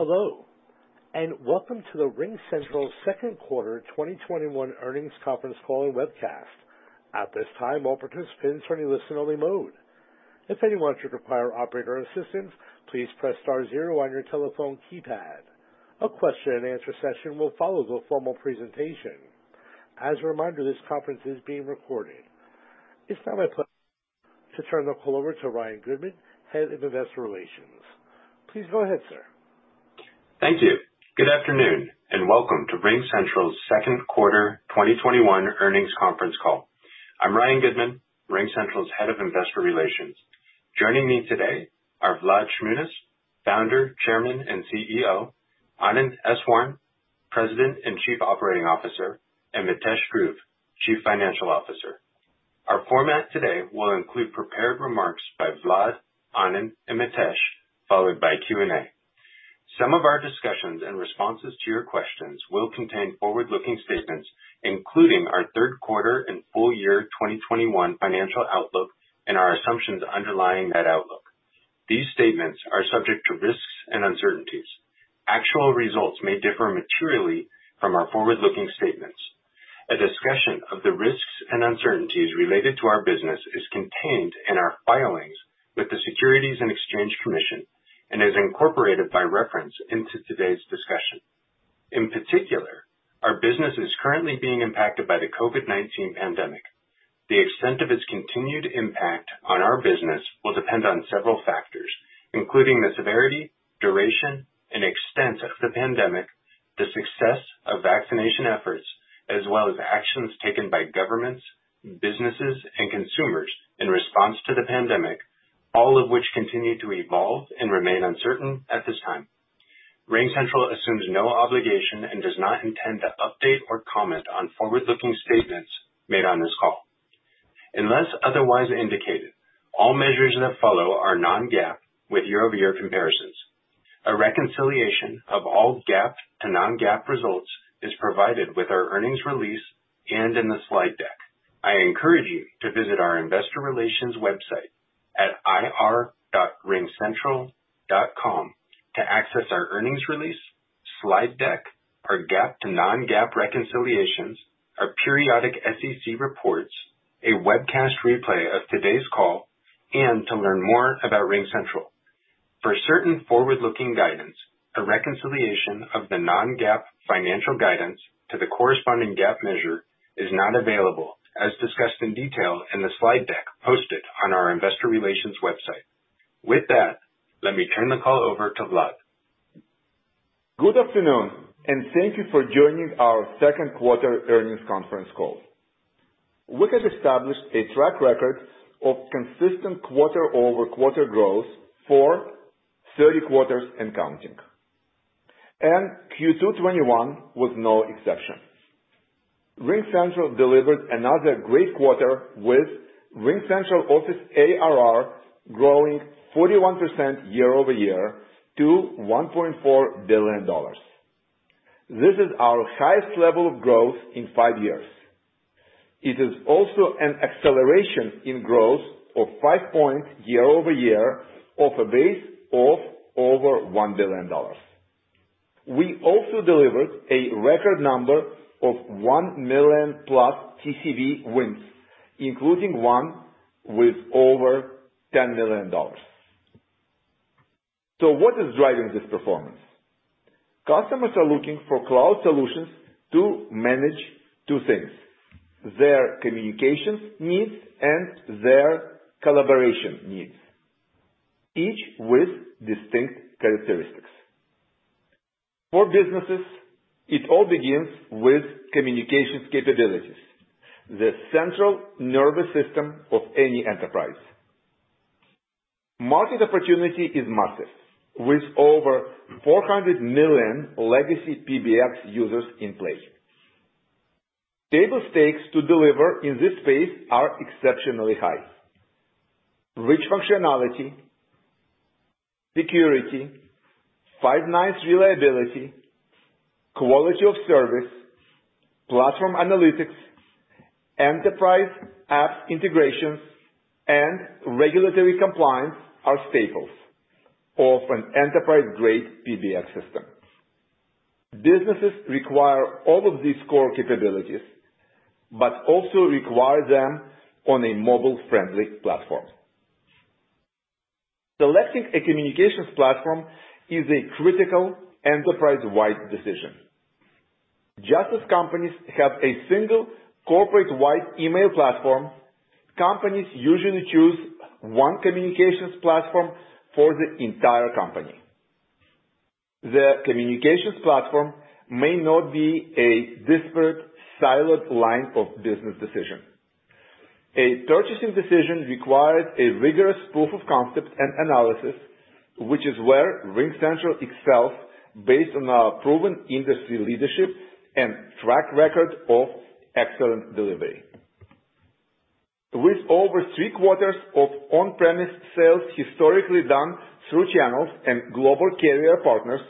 Hello, welcome to the RingCentral second quarter 2021 earnings conference call and webcast. At this time, all participants are in listen-only mode. If anyone should require operator assistance, please press star zero on your telephone keypad. A question and answer session will follow the formal presentation. As a reminder, this conference is being recorded. It's now my pleasure to turn the call over to Ryan Goodman, Head of Investor Relations. Please go ahead, sir. Thank you. Good afternoon. Welcome to RingCentral's second quarter 2021 earnings conference call. I'm Ryan Goodman, RingCentral's Head of Investor Relations. Joining me today are Vlad Shmunis, Founder, Chairman, and CEO; Anand Eswaran, President and Chief Operating Officer; and Mitesh Dhruv, Chief Financial Officer. Our format today will include prepared remarks by Vlad, Anand, and Mitesh, followed by Q&A. Some of our discussions and responses to your questions will contain forward-looking statements, including our third quarter and full year 2021 financial outlook, and our assumptions underlying that outlook. These statements are subject to risks and uncertainties. Actual results may differ materially from our forward-looking statements. A discussion of the risks and uncertainties related to our business is contained in our filings with the Securities and Exchange Commission and is incorporated by reference into today's discussion. In particular, our business is currently being impacted by the COVID-19 pandemic. The extent of its continued impact on our business will depend on several factors, including the severity, duration, and extent of the pandemic, the success of vaccination efforts, as well as actions taken by governments, businesses, and consumers in response to the pandemic, all of which continue to evolve and remain uncertain at this time. RingCentral assumes no obligation and does not intend to update or comment on forward-looking statements made on this call. Unless otherwise indicated, all measures that follow are non-GAAP with year-over-year comparisons. A reconciliation of all GAAP to non-GAAP results is provided with our earnings release and in the slide deck. I encourage you to visit our investor relations website at ir.ringcentral.com to access our earnings release, slide deck, our GAAP to non-GAAP reconciliations, our periodic SEC reports, a webcast replay of today's call, and to learn more about RingCentral. For certain forward-looking guidance, a reconciliation of the non-GAAP financial guidance to the corresponding GAAP measure is not available, as discussed in detail in the slide deck posted on our investor relations website. Let me turn the call over to Vlad. Good afternoon, and thank you for joining our second quarter earnings conference call. We have established a track record of consistent quarter-over-quarter growth for 30 quarters and counting. Q2 2021 was no exception. RingCentral delivered another great quarter with RingCentral Office ARR growing 41% year-over-year to $1.4 billion. This is our highest level of growth in 5 years. It is also an acceleration in growth of 5 points year-over-year off a base of over $1 billion. We also delivered a record number of 1 million+ TCV wins, including one with over $10 million. What is driving this performance? Customers are looking for cloud solutions to manage two things: their communications needs and their collaboration needs, each with distinct characteristics. For businesses, it all begins with communications capabilities, the central nervous system of any enterprise. Market opportunity is massive, with over 400 million legacy PBX users in play. Table stakes to deliver in this space are exceptionally high. Rich functionality, security, five nines reliability, quality of service, platform analytics, enterprise apps integrations, and regulatory compliance are staples of an enterprise-grade PBX system. Businesses require all of these core capabilities, but also require them on a mobile-friendly platform. Selecting a communications platform is a critical enterprise-wide decision. Just as companies have a single corporate-wide email platform, companies usually choose one communications platform for the entire company. The communications platform may not be a disparate, siloed line of business decision. A purchasing decision requires a rigorous proof of concept and analysis, which is where RingCentral excels based on our proven industry leadership and track record of excellent delivery. With over three-quarters of on-premise sales historically done through channels and global carrier partners,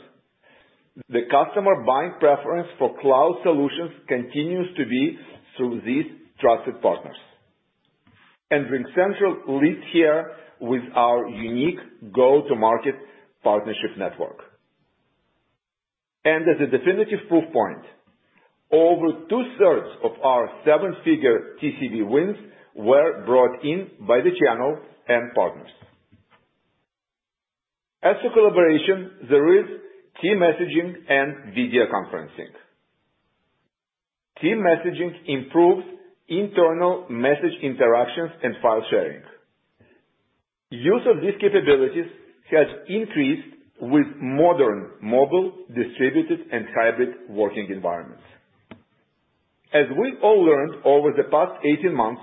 the customer buying preference for cloud solutions continues to be through these trusted partners. RingCentral leads here with our unique go-to-market partnership network. As a definitive proof point, over 2/3 of our seven-figure TCV wins were brought in by the channel and partners. As for collaboration, there is team messaging and video conferencing. Team messaging improves internal message interactions and file sharing. Use of these capabilities has increased with modern mobile distributed and hybrid working environments. As we've all learned over the past 18 months,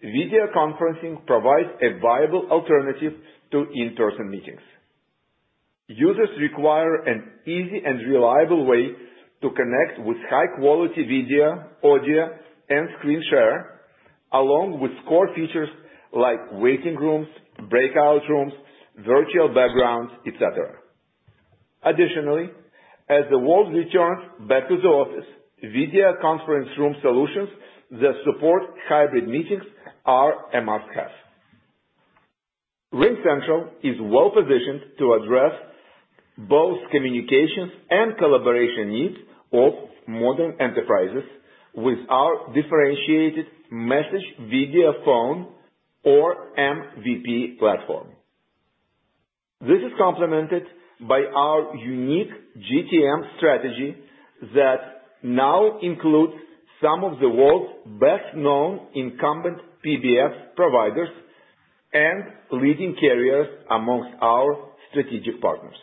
video conferencing provides a viable alternative to in-person meetings. Users require an easy and reliable way to connect with high-quality video, audio, and screen share, along with core features like waiting rooms, breakout rooms, virtual backgrounds, et cetera. Additionally, as the world returns back to the office, video conference room solutions that support hybrid meetings are a must-have. RingCentral is well-positioned to address both communications and collaboration needs of modern enterprises with our differentiated Message Video Phone or MVP platform. This is complemented by our unique GTM strategy that now includes some of the world's best-known incumbent PBX providers and leading carriers amongst our strategic partners.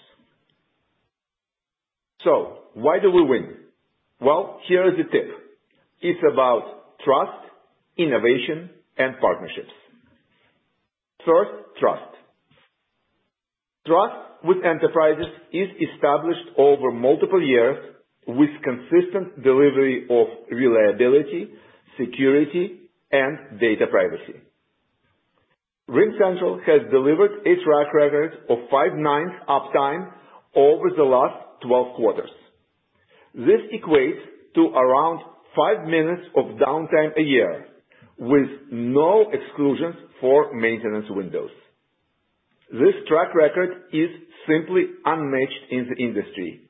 Why do we win? Here is the tip. It's about trust, innovation, and partnerships. First, trust. Trust with enterprises is established over multiple years with consistent delivery of reliability, security, and data privacy. RingCentral has delivered a track record of five nines uptime over the last 12 quarters. This equates to around five minutes of downtime a year, with no exclusions for maintenance windows. This track record is simply unmatched in the industry,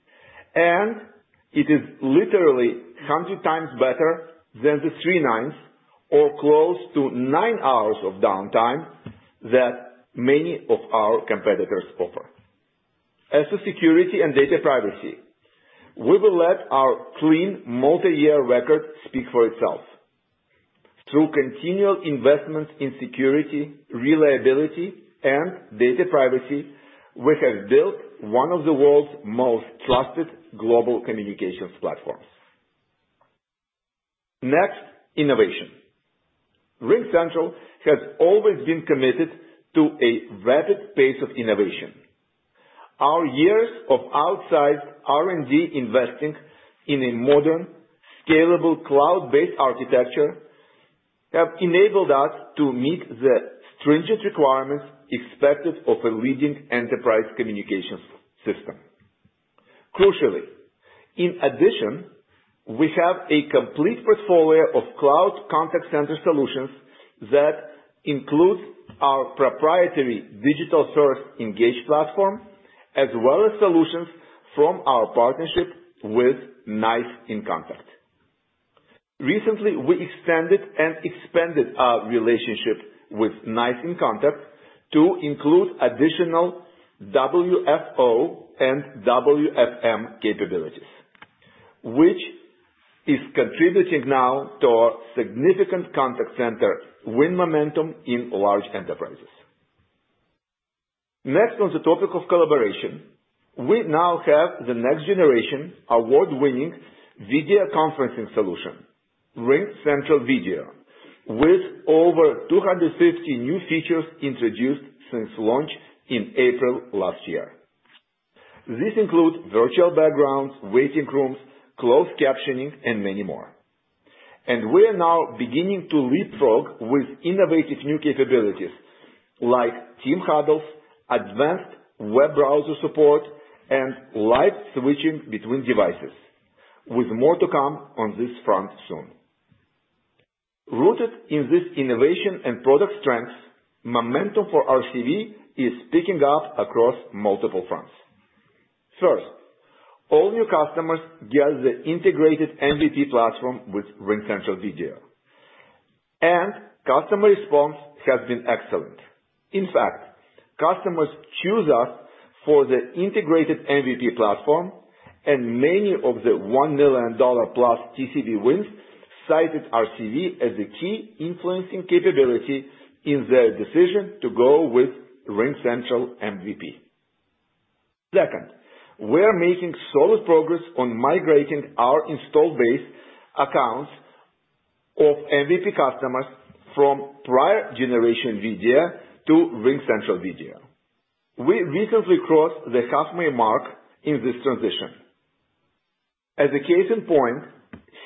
and it is literally 100 times better than the three nines, or close to nine hours of downtime that many of our competitors offer. As for security and data privacy, we will let our clean multi-year record speak for itself. Through continual investment in security, reliability, and data privacy, we have built one of the world's most trusted global communications platforms. Next, innovation. RingCentral has always been committed to a rapid pace of innovation. Our years of outsized R&D investing in a modern, scalable, cloud-based architecture have enabled us to meet the stringent requirements expected of a leading enterprise communications system. Crucially, in addition, we have a complete portfolio of cloud contact center solutions that includes our proprietary digital-first Engage platform, as well as solutions from our partnership with NICE inContact. Recently, we expanded and expended our relationship with NICE inContact to include additional WFO and WFM capabilities, which is contributing now to our significant contact center win momentum in large enterprises. On the topic of collaboration. We now have the next-generation award-winning video conferencing solution, RingCentral Video, with over 250 new features introduced since launch in April last year. This includes virtual backgrounds, waiting rooms, closed captioning, and many more. We are now beginning to leapfrog with innovative new capabilities like team huddles, advanced web browser support, and live switching between devices, with more to come on this front soon. Rooted in this innovation and product strength, momentum for RCV is picking up across multiple fronts. First, all new customers get the integrated MVP platform with RingCentral Video. Customer response has been excellent. Customers choose us for the integrated MVP platform, and many of the $1 million-plus TCV wins cited RCV as a key influencing capability in their decision to go with RingCentral MVP. We are making solid progress on migrating our install base accounts of MVP customers from prior generation video to RingCentral Video. We recently crossed the halfway mark in this transition. As a case in point,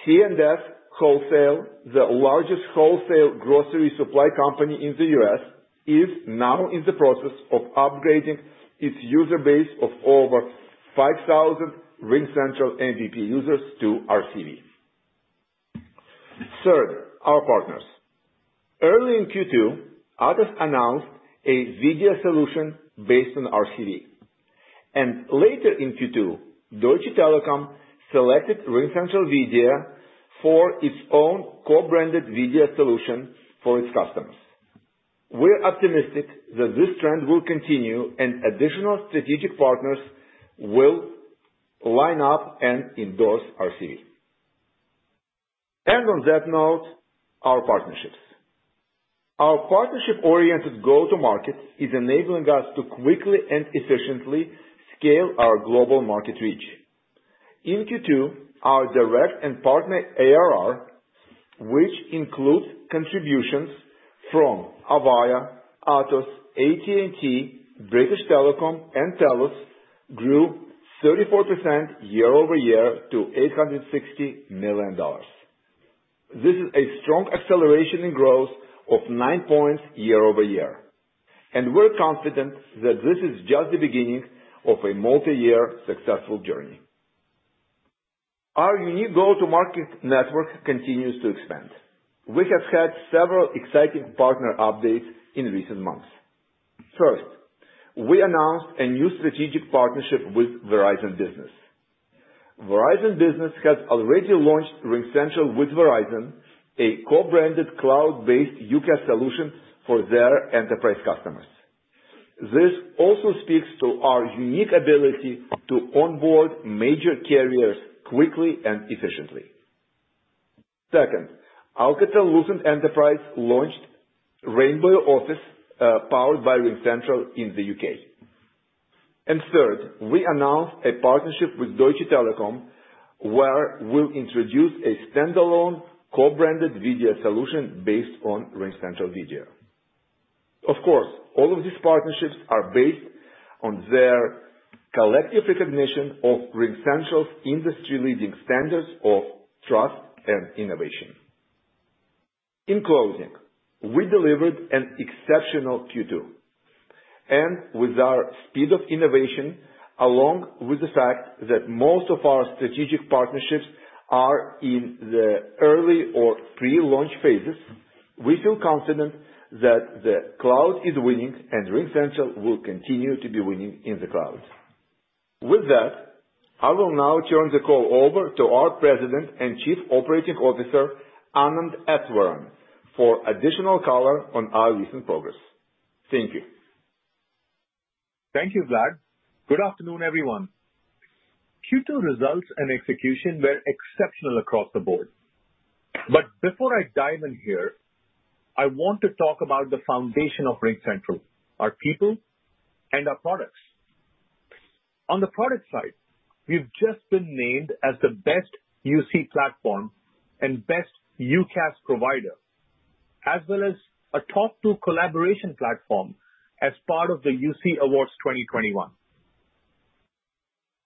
C&S Wholesale, the largest wholesale grocery supply company in the U.S. is now in the process of upgrading its user base of over 5,000 RingCentral MVP users to RCV. Our partners. Early in Q2, Atos announced a video solution based on RCV. Later in Q2, Deutsche Telekom selected RingCentral Video for its own co-branded video solution for its customers. We're optimistic that this trend will continue and additional strategic partners will line up and endorse RCV. On that note, our partnerships. Our partnership-oriented go-to-market is enabling us to quickly and efficiently scale our global market reach. In Q2, our direct and partner ARR, which includes contributions from Avaya, Atos, AT&T, British Telecom, and Telus, grew 34% year-over-year to $860 million. This is a strong acceleration in growth of 9 points year-over-year. We're confident that this is just the beginning of a multi-year successful journey. Our unique go-to-market network continues to expand. We have had several exciting partner updates in recent months. First, we announced a new strategic partnership with Verizon Business. Verizon Business has already launched RingCentral with Verizon, a co-branded cloud-based UCaaS solution for their enterprise customers. This also speaks to our unique ability to onboard major carriers quickly and efficiently. Second, Alcatel-Lucent Enterprise launched Rainbow Office, powered by RingCentral in the U.K. Third, we announced a partnership with Deutsche Telekom, where we'll introduce a standalone co-branded video solution based on RingCentral Video. Of course, all of these partnerships are based on their collective recognition of RingCentral's industry-leading standards of trust and innovation. In closing, we delivered an exceptional Q2. With our speed of innovation, along with the fact that most of our strategic partnerships are in the early or pre-launch phases, we feel confident that the cloud is winning and RingCentral will continue to be winning in the cloud. With that, I will now turn the call over to our President and Chief Operating Officer, Anand Eswaran, for additional color on our recent progress. Thank you. Thank you, Vlad. Good afternoon, everyone. Q2 results and execution were exceptional across the board. Before I dive in here, I want to talk about the foundation of RingCentral, our people and our products. On the product side, we've just been named as the best UC platform and best UCaaS provider, as well as a top two collaboration platform as part of the UC Awards 2021.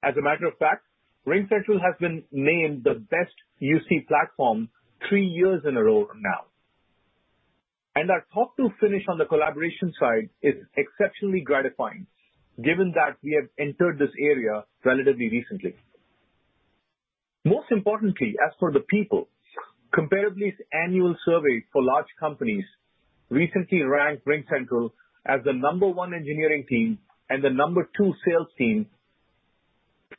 As a matter of fact, RingCentral has been named the best UC platform three years in a row now. Our top two finish on the collaboration side is exceptionally gratifying, given that we have entered this area relatively recently. Most importantly, as for the people, Comparably's annual survey for large companies recently ranked RingCentral as the number one engineering team and the number two sales team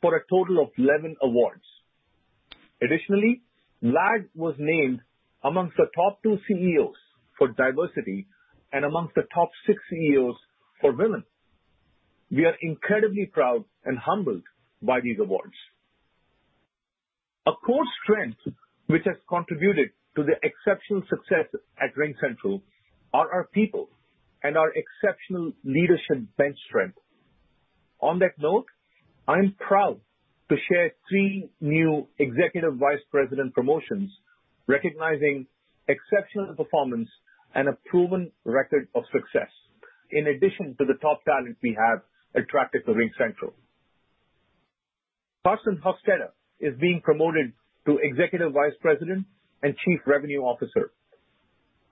for a total of 11 awards. Additionally, Vlad was named amongst the top two CEOs for diversity and amongst the top six CEOs for women. We are incredibly proud and humbled by these awards. A core strength which has contributed to the exceptional success at RingCentral are our people and our exceptional leadership bench strength. On that note, I'm proud to share three new Executive Vice President promotions recognizing exceptional performance and a proven record of success in addition to the top talent we have attracted to RingCentral. Carson Hostetter is being promoted to Executive Vice President and Chief Revenue Officer.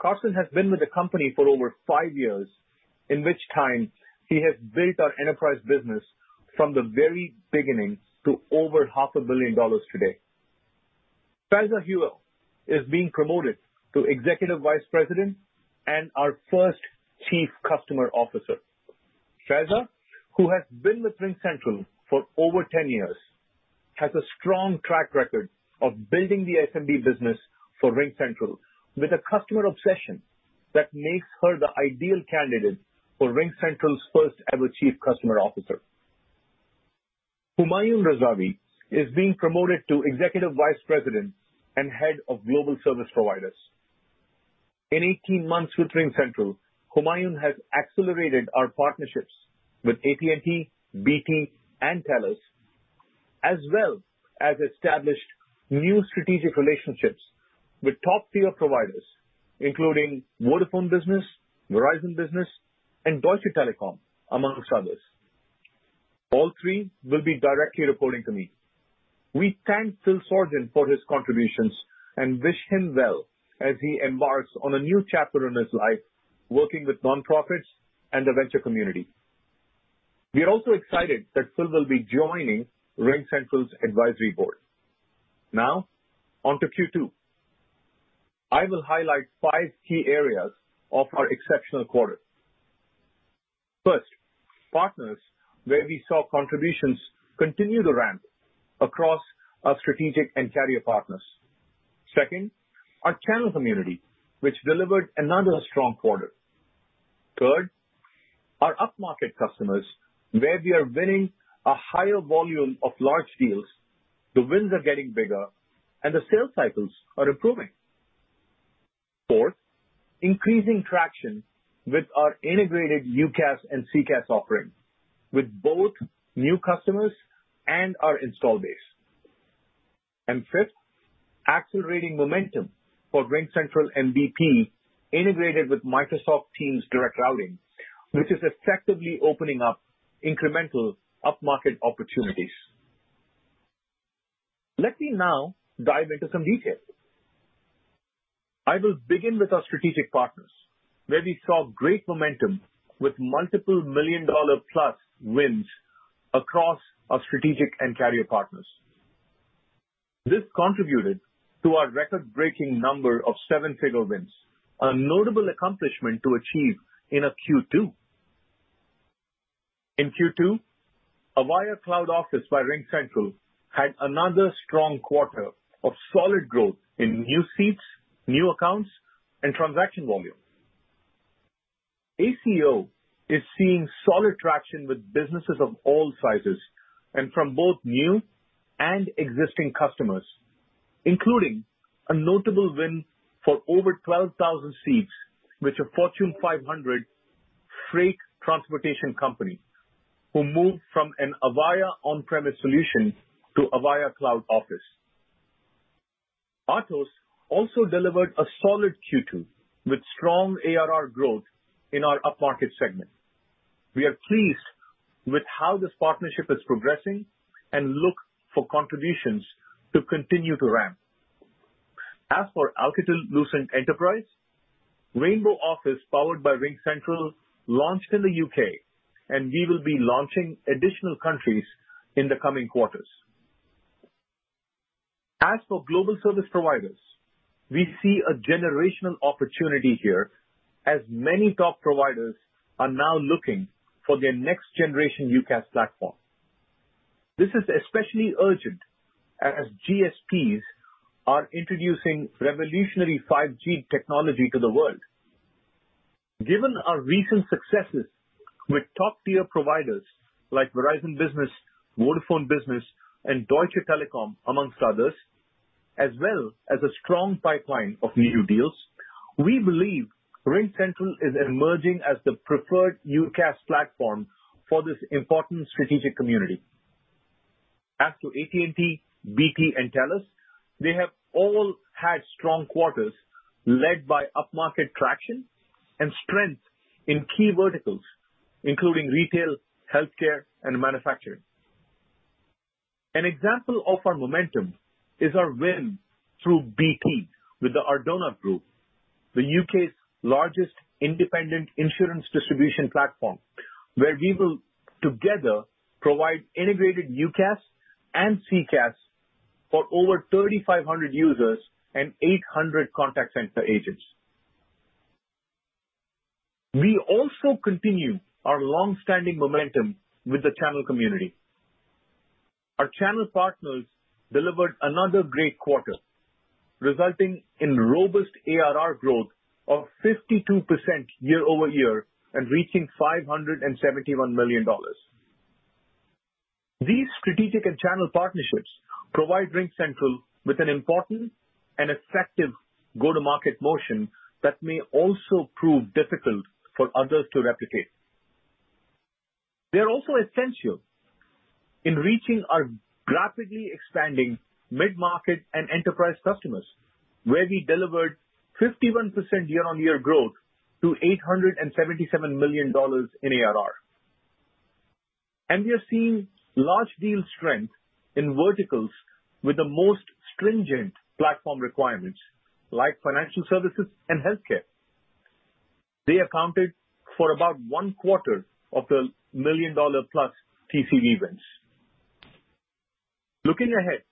Carson has been with the company for over five years, in which time he has built our enterprise business from the very beginning to over half a billion dollars today. Shreza Jue is being promoted to Executive Vice President and our first Chief Customer Officer. Shreza, who has been with RingCentral for over 10 years, has a strong track record of building the SMB business for RingCentral with a customer obsession that makes her the ideal candidate for RingCentral's first-ever Chief Customer Officer. Homayoun Razavi is being promoted to Executive Vice President and Head of Global Service Providers. In 18 months with RingCentral, Homayoun has accelerated our partnerships with AT&T, BT, and Telus, as well as established new strategic relationships with top-tier providers including Vodafone Business, Verizon Business, and Deutsche Telekom, amongst others. All three will be directly reporting to me. We thank Phil Sorgen for his contributions and wish him well as he embarks on a new chapter in his life working with nonprofits and the venture community. We are also excited that Phil will be joining RingCentral's advisory board. Now on to Q2. I will highlight 5 key areas of our exceptional quarter. First, partners, where we saw contributions continue to ramp across our strategic and carrier partners. Second, our channel community, which delivered another strong quarter. Third, our upmarket customers, where we are winning a higher volume of large deals, the wins are getting bigger, and the sales cycles are improving. Fourth, increasing traction with our integrated UCaaS and CCaaS offering with both new customers and our install base. Fifth, accelerating momentum for RingCentral MVP integrated with Microsoft Teams Direct Routing, which is effectively opening up incremental upmarket opportunities. Let me now dive into some details. I will begin with our strategic partners, where we saw great momentum with multiple million-dollar-plus wins across our strategic and carrier partners. This contributed to our record-breaking number of seven-figure wins, a notable accomplishment to achieve in a Q2. In Q2, Avaya Cloud Office by RingCentral had another strong quarter of solid growth in new seats, new accounts, and transaction volume. ACO is seeing solid traction with businesses of all sizes and from both new and existing customers, including a notable win for over 12,000 seats with a Fortune 500 freight transportation company, who moved from an Avaya on-premise solution to Avaya Cloud Office. Atos also delivered a solid Q2 with strong ARR growth in our upmarket segment. We are pleased with how this partnership is progressing and look for contributions to continue to ramp. As for Alcatel-Lucent Enterprise, Rainbow Office powered by RingCentral launched in the U.K. We will be launching additional countries in the coming quarters. As for global service providers, we see a generational opportunity here as many top providers are now looking for their next generation UCaaS platform. This is especially urgent as GSPs are introducing revolutionary 5G technology to the world. Given our recent successes with top-tier providers like Verizon Business, Vodafone Business, and Deutsche Telekom, amongst others, as well as a strong pipeline of new deals, we believe RingCentral is emerging as the preferred UCaaS platform for this important strategic community. As to AT&T, BT, and Telus, they have all had strong quarters led by upmarket traction and strength in key verticals, including retail, healthcare, and manufacturing. An example of our momentum is our win through BT with The Ardonagh Group, the U.K.'s largest independent insurance distribution platform, where we will together provide integrated UCaaS and CCaaS for over 3,500 users and 800 contact center agents. We also continue our long-standing momentum with the channel community. Our channel partners delivered another great quarter, resulting in robust ARR growth of 52% year-over-year and reaching $571 million. These strategic and channel partnerships provide RingCentral with an important and effective go-to-market motion that may also prove difficult for others to replicate. They are also essential in reaching our rapidly expanding mid-market and enterprise customers, where we delivered 51% year-on-year growth to $877 million in ARR. We are seeing large deal strength in verticals with the most stringent platform requirements, like financial services and healthcare. They accounted for about one-quarter of the million-dollar-plus TCV wins. Looking ahead,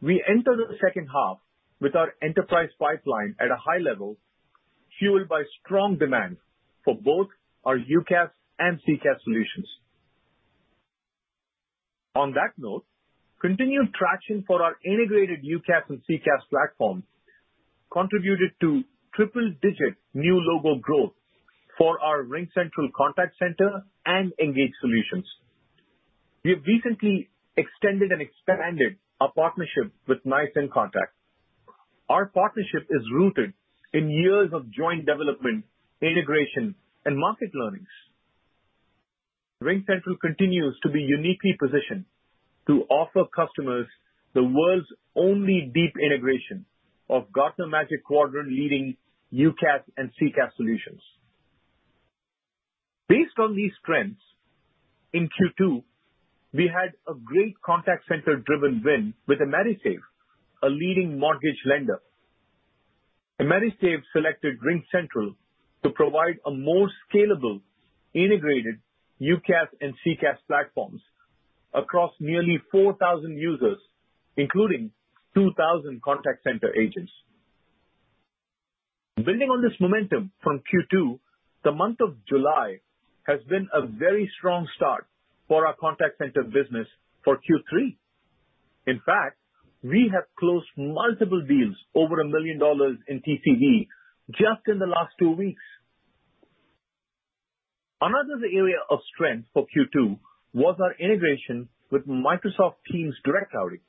we enter the second half with our enterprise pipeline at a high level, fueled by strong demand for both our UCaaS and CCaaS solutions. On that note, continued traction for our integrated UCaaS and CCaaS platforms contributed to triple-digit new logo growth for our RingCentral Contact Center and Engage solutions. We have recently extended and expanded our partnership with NICE inContact. Our partnership is rooted in years of joint development, integration, and market learnings. RingCentral continues to be uniquely positioned to offer customers the world's only deep integration of Gartner Magic Quadrant leading UCaaS and CCaaS solutions. Based on these trends, in Q2, we had a great contact center-driven win with AmeriSave, a leading mortgage lender. AmeriSave selected RingCentral to provide a more scalable, integrated UCaaS and CCaaS platforms across nearly 4,000 users, including 2,000 contact center agents. Building on this momentum from Q2, the month of July has been a very strong start for our contact center business for Q3. In fact, we have closed multiple deals over $1 million in TCV just in the last two weeks. Another area of strength for Q2 was our integration with Microsoft Teams Direct Routing.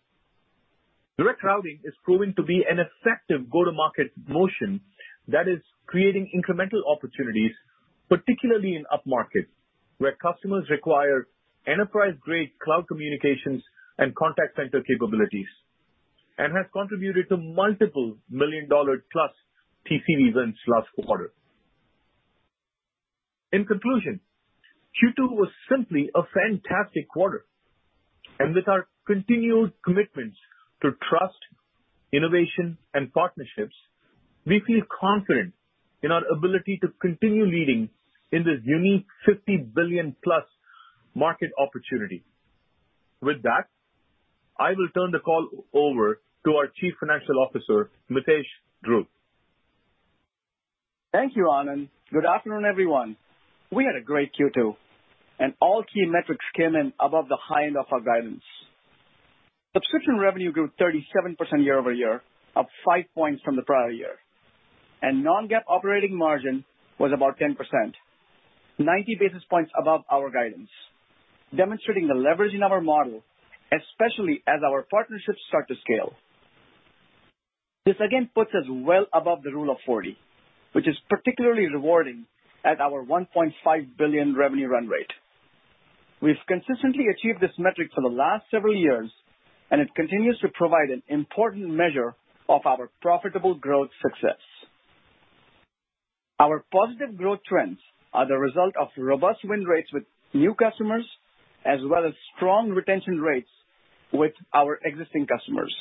Direct Routing is proving to be an effective go-to-market motion that is creating incremental opportunities, particularly in upmarket, where customers require enterprise-grade cloud communications and contact center capabilities, and has contributed to multiple million-dollar plus TCV wins last quarter. In conclusion, Q2 was simply a fantastic quarter. With our continued commitment to trust, innovation, and partnerships, we feel confident in our ability to continue leading in this unique $50 billion-plus market opportunity. With that, I will turn the call over to our Chief Financial Officer, Mitesh Dhruv. Thank you, Anand. Good afternoon, everyone. We had a great Q2, and all key metrics came in above the high end of our guidance. Subscription revenue grew 37% year-over-year, up five points from the prior year, and non-GAAP operating margin was about 10%, 90 basis points above our guidance, demonstrating the leverage in our model, especially as our partnerships start to scale. This again puts us well above the Rule of 40, which is particularly rewarding at our $1.5 billion revenue run rate. We've consistently achieved this metric for the last several years, and it continues to provide an important measure of our profitable growth success. Our positive growth trends are the result of robust win rates with new customers, as well as strong retention rates with our existing customers.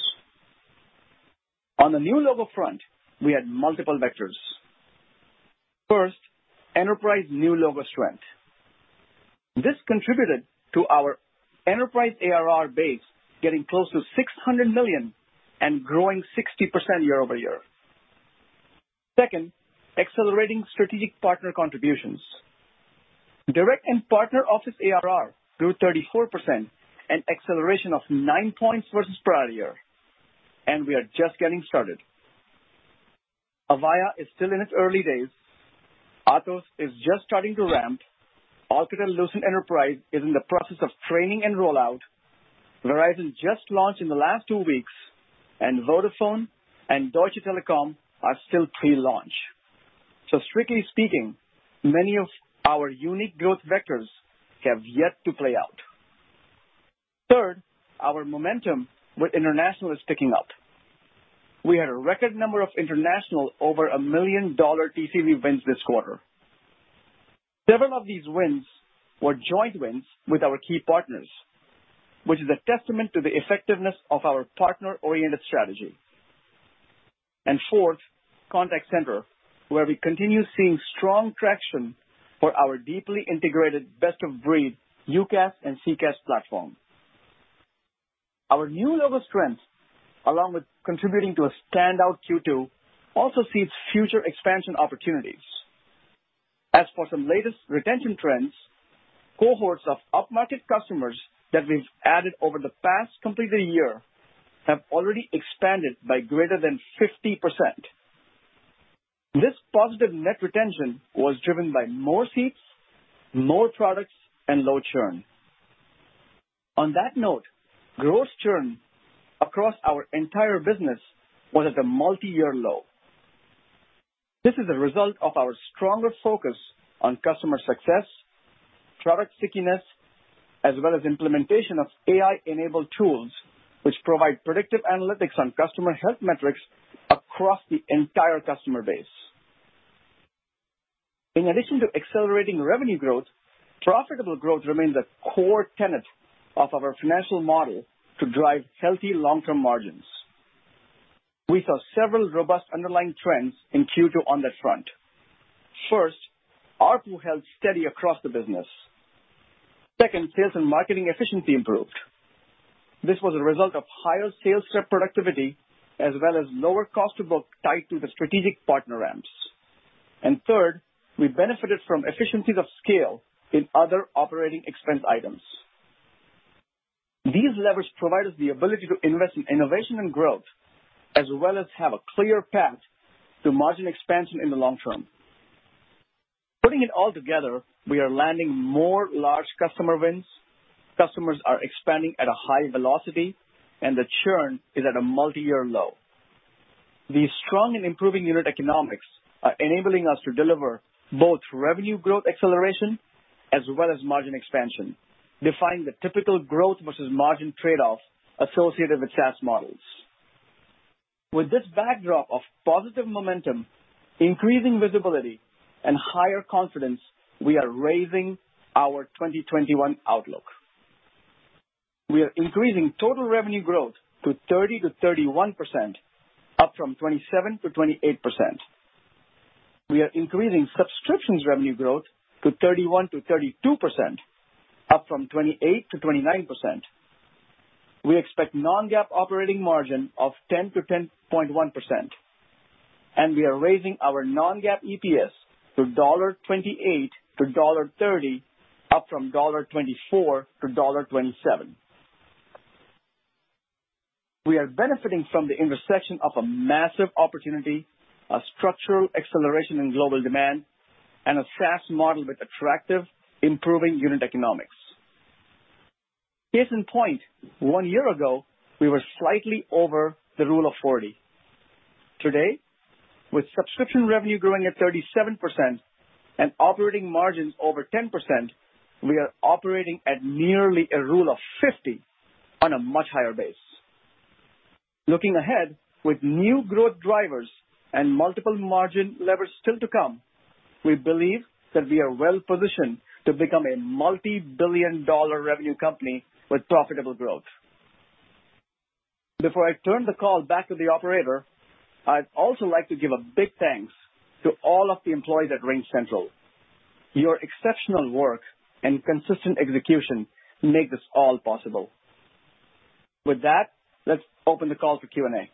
On the new logo front, we had multiple vectors. First, enterprise new logo strength. This contributed to our enterprise ARR base getting close to $600 million and growing 60% year-over-year. Second, accelerating strategic partner contributions. Direct and partner office ARR grew 34%, an acceleration of 9 points versus prior year, and we are just getting started. Avaya is still in its early days. Atos is just starting to ramp. Alcatel-Lucent Enterprise is in the process of training and rollout. Verizon just launched in the last two weeks, and Vodafone and Deutsche Telekom are still pre-launch. Strictly speaking, many of our unique growth vectors have yet to play out. Third, our momentum with international is ticking up. We had a record number of international over a million-dollar TCV wins this quarter. Several of these wins were joint wins with our key partners, which is a testament to the effectiveness of our partner-oriented strategy. Fourth, contact center, where we continue seeing strong traction for our deeply integrated best-of-breed UCaaS and CCaaS platform. Our new logo strength, along with contributing to a standout Q2, also seeds future expansion opportunities. As for some latest retention trends, cohorts of upmarket customers that we've added over the past completed year have already expanded by greater than 50%. This positive net retention was driven by more seats, more products, and low churn. On that note, gross churn across our entire business was at a multi-year low. This is a result of our stronger focus on customer success, product stickiness, as well as implementation of AI-enabled tools, which provide predictive analytics on customer health metrics across the entire customer base. In addition to accelerating revenue growth, profitable growth remains a core tenet of our financial model to drive healthy long-term margins. We saw several robust underlying trends in Q2 on that front. First, ARPU held steady across the business. Second, sales and marketing efficiency improved. This was a result of higher sales rep productivity as well as lower cost of book tied to the strategic partner ramps. Third, we benefited from efficiencies of scale in other operating expense items. These levers provide us the ability to invest in innovation and growth, as well as have a clear path to margin expansion in the long term. Putting it all together, we are landing more large customer wins, customers are expanding at a high velocity, and the churn is at a multi-year low. The strong and improving unit economics are enabling us to deliver both revenue growth acceleration as well as margin expansion, defying the typical growth versus margin trade-off associated with SaaS models. With this backdrop of positive momentum, increasing visibility, and higher confidence, we are raising our 2021 outlook. We are increasing total revenue growth to 30%-31%, up from 27%-28%. We are increasing subscriptions revenue growth to 31%-32%, up from 28%-29%. We expect non-GAAP operating margin of 10%-10.1%, and we are raising our non-GAAP EPS to $1.28-$1.30, up from $1.24-$1.27. We are benefiting from the intersection of a massive opportunity, a structural acceleration in global demand, and a SaaS model with attractive, improving unit economics. Case in point, one year ago, we were slightly over the Rule of 40. Today, with subscription revenue growing at 37% and operating margins over 10%, we are operating at nearly a Rule of 50 on a much higher base. Looking ahead with new growth drivers and multiple margin levers still to come, we believe that we are well-positioned to become a multi-billion dollar revenue company with profitable growth. Before I turn the call back to the operator, I'd also like to give a big thanks to all of the employees at RingCentral. Your exceptional work and consistent execution make this all possible. With that, let's open the call to Q&A.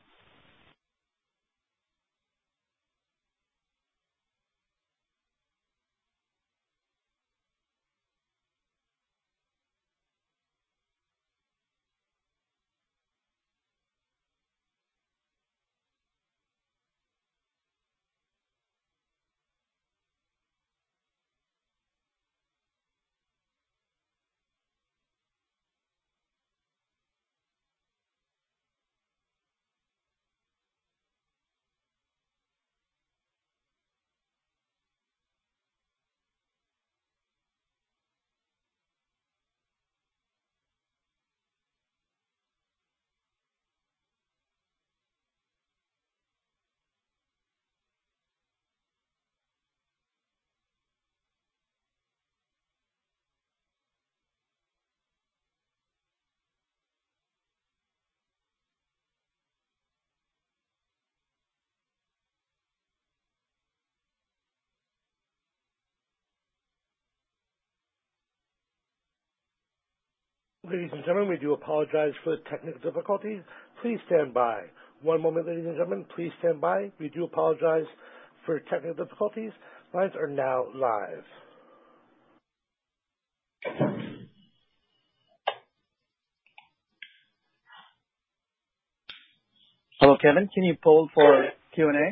Ladies and gentlemen, we do apologize for the technical difficulties. Please stand by. One moment, ladies and gentlemen. Please stand by. We do apologize for technical difficulties. Lines are now live. Hello, Kevin. Can you poll for Q&A?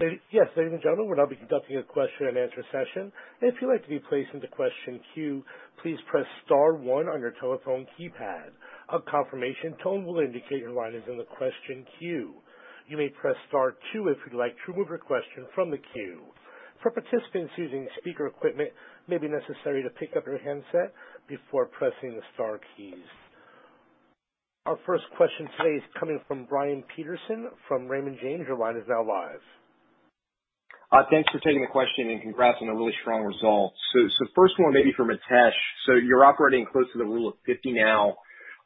Our first question today is coming from Brian Peterson from Raymond James. Your line is now live. Thanks for taking the question, congrats on the really strong results. The first one may be for Mitesh. You're operating close to the Rule of 50 now.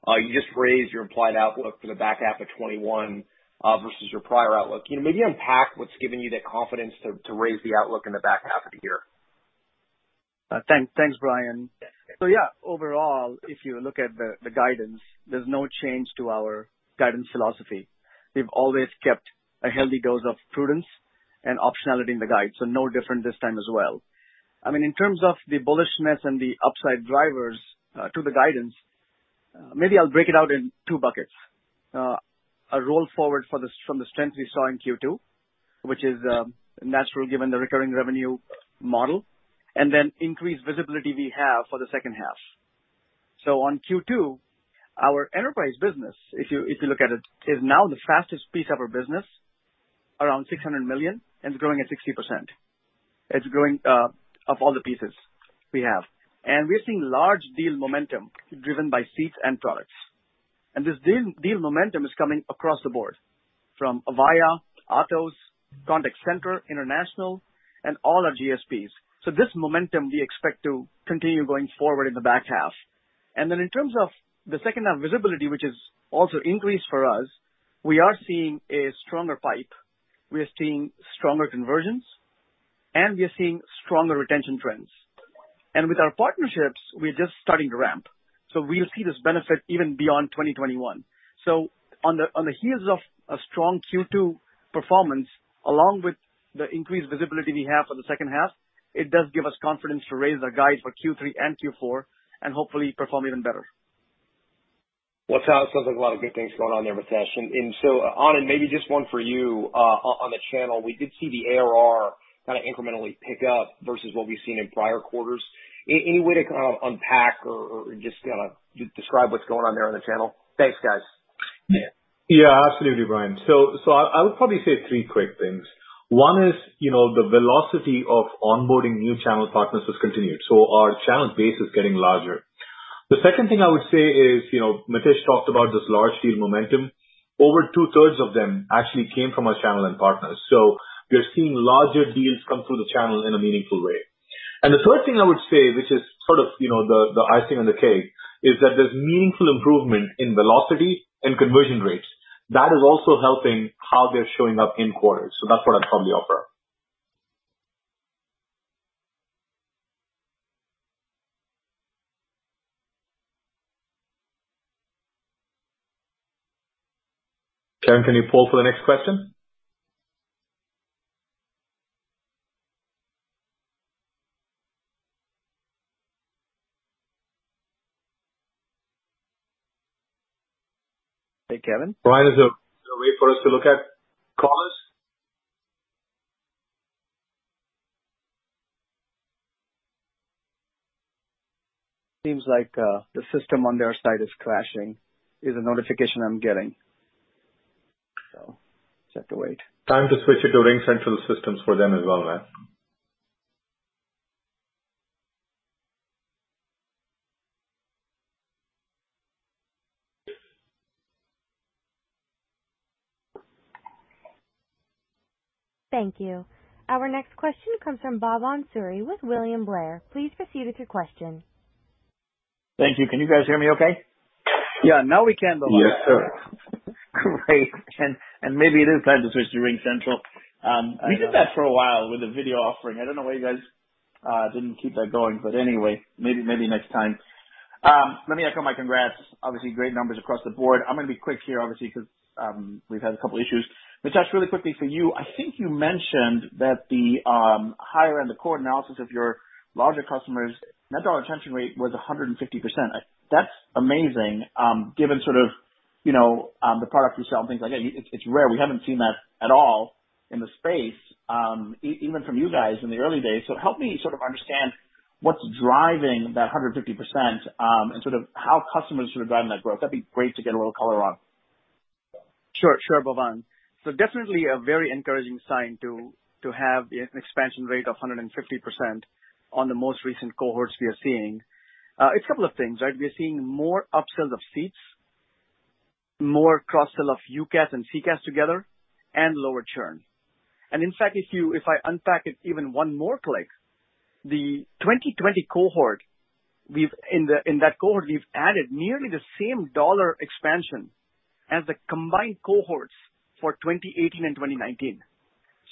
You just raised your implied outlook for the back half of 2021 versus your prior outlook. Can you maybe unpack what's given you that confidence to raise the outlook in the back half of the year? Thanks, Brian. Yes. Yeah. Overall, if you look at the guidance, there's no change to our guidance philosophy. We've always kept a healthy dose of prudence and optionality in the guide, so no different this time as well. In terms of the bullishness and the upside drivers to the guidance, maybe I'll break it out in two buckets. A roll forward from the strength we saw in Q2, which is natural given the recurring revenue model, and then increased visibility we have for the second half. On Q2, our enterprise business, if you look at it, is now the fastest piece of our business, around $600 million, and it's growing at 60%. It's growing of all the pieces we have. We are seeing large deal momentum driven by seats and products. This deal momentum is coming across the board from Avaya, Atos, Contact Center, International, and all our GSPs. This momentum we expect to continue going forward in the back half. In terms of the second half visibility, which has also increased for us, we are seeing a stronger pipe, we are seeing stronger conversions, and we are seeing stronger retention trends. With our partnerships, we are just starting to ramp. We'll see this benefit even beyond 2021. On the heels of a strong Q2 performance, along with the increased visibility we have for the second half, it does give us confidence to raise our guide for Q3 and Q4, and hopefully perform even better. Well, it sounds like a lot of good things going on there, Mitesh. Anand, maybe just one for you on the channel. We did see the ARR kind of incrementally pick up versus what we've seen in prior quarters. Any way to kind of unpack or just kind of describe what's going on there on the channel? Thanks, guys. Yeah, absolutely, Brian. I would probably say 3 quick things. 1 is, the velocity of onboarding new channel partners has continued. Our channel base is getting larger. The 2nd thing I would say is, Mitesh talked about this large deal momentum. Over two-thirds of them actually came from our channel and partners. We are seeing larger deals come through the channel in a meaningful way. The 3rd thing I would say, which is sort of the icing on the cake, is that there's meaningful improvement in velocity and conversion rates. That is also helping how they're showing up in quarters. That's what I'd probably offer. Kevin, can you pull for the next question? Hey, Kevin. Brian, is there a way for us to look at callers? Seems like the system on their side is crashing, is the notification I'm getting. Just have to wait. Time to switch to RingCentral's systems for them as well, man. Thank you. Our next question comes from Bhavan Suri with William Blair. Please proceed with your question. Thank you. Can you guys hear me okay? Yeah. Now we can, Bhavan. Yes, sir. Great. Maybe it is time to switch to RingCentral. We did that for a while with a video offering. I don't know why you guys didn't keep that going, but anyway, maybe next time. Let me echo my congrats. Obviously, great numbers across the board. I'm going to be quick here, obviously, because we've had a couple issues. Mitesh, really quickly for you, I think you mentioned that the higher end, the core analysis of your larger customers, net dollar retention rate was 150%. That's amazing, given sort of the product you sell and things like that. It's rare. We haven't seen that at all in the space, even from you guys in the early days. Help me sort of understand what's driving that 150%, and sort of how customers are sort of driving that growth. That'd be great to get a little color on. Sure, Bhavan. Definitely a very encouraging sign to have the expansion rate of 150% on the most recent cohorts we are seeing. A couple of things. We are seeing more upsells of seats, more cross-sell of UCaaS and CCaaS together, and lower churn. In fact, if I unpack it even one more click, in that cohort, we've added nearly the same dollar expansion as the combined cohorts for 2018 and 2019.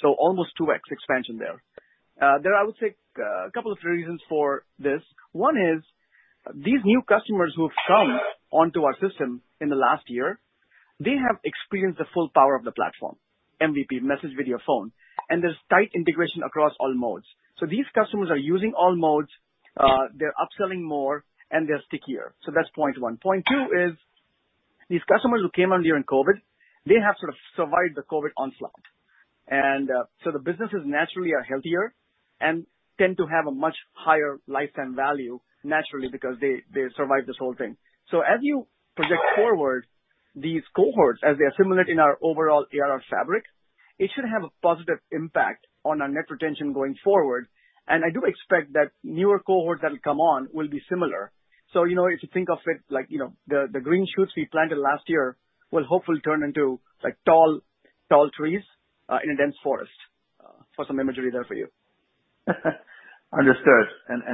Almost 2x expansion there. There are, I would say, a couple of reasons for this. 1 is these new customers who have come onto our system in the last year, they have experienced the full power of the platform, MVP, message, video, phone, and there's tight integration across all modes. These customers are using all modes, they're upselling more, and they're stickier. That's point 1. Point 2 is these customers who came on during COVID, they have sort of survived the COVID onslaught. The businesses naturally are healthier and tend to have a much higher lifetime value, naturally, because they survived this whole thing. As you project forward these cohorts, as they assimilate in our overall ARR fabric, it should have a positive impact on our net retention going forward. I do expect that newer cohorts that will come on will be similar. If you think of it like, the green shoots we planted last year will hopefully turn into tall trees, in a dense forest. For some imagery there for you. Understood.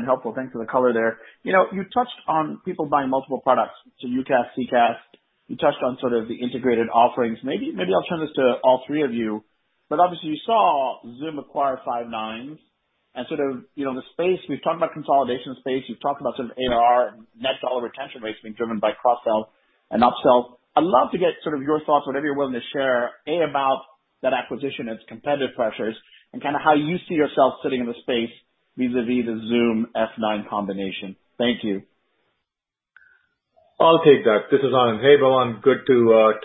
Helpful. Thanks for the color there. You touched on people buying multiple products, so UCaaS, CCaaS. You touched on sort of the integrated offerings. Maybe I'll turn this to all three of you. Obviously you saw Zoom acquire Five9, and sort of the space, we've talked about consolidation space, we've talked about sort of ARR, net dollar retention rates being driven by cross-sell and up-sell. I'd love to get sort of your thoughts, whatever you're willing to share, A, about that acquisition, its competitive pressures, and kind of how you see yourself sitting in the space vis-a-vis the Zoom-Five9 combination. Thank you. I'll take that. This is Anand. Hey, Bhavan, good to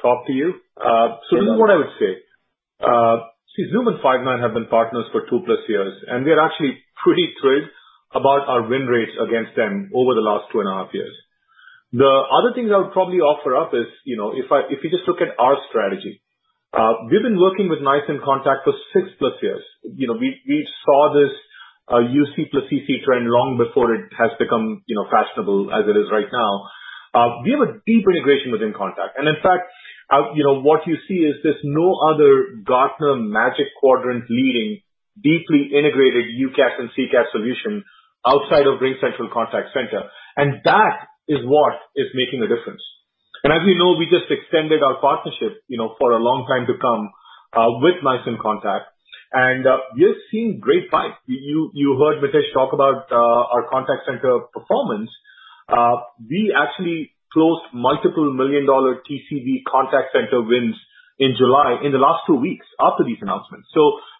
talk to you. Yeah. This is what I would say. See, Zoom and Five9 have been partners for two+ years, and we are actually pretty thrilled about our win rates against them over the last 2.5 years. The other thing that I would probably offer up is, if you just look at our strategy. We've been working with NICE inContact for six+ plus years. We saw this, UC plus CC trend long before it has become fashionable as it is right now. We have a deep integration with inContact. In fact, what you see is there's no other Gartner Magic Quadrant leading deeply integrated UCaaS and CCaaS solution outside of RingCentral Contact Center. That is what is making a difference. As you know, we just extended our partnership for a long time to come with NICE inContact. We are seeing great buys. You heard Mitesh talk about our contact center performance. We actually closed multiple million-dollar TCV contact center wins in July, in the last 2 weeks after these announcements.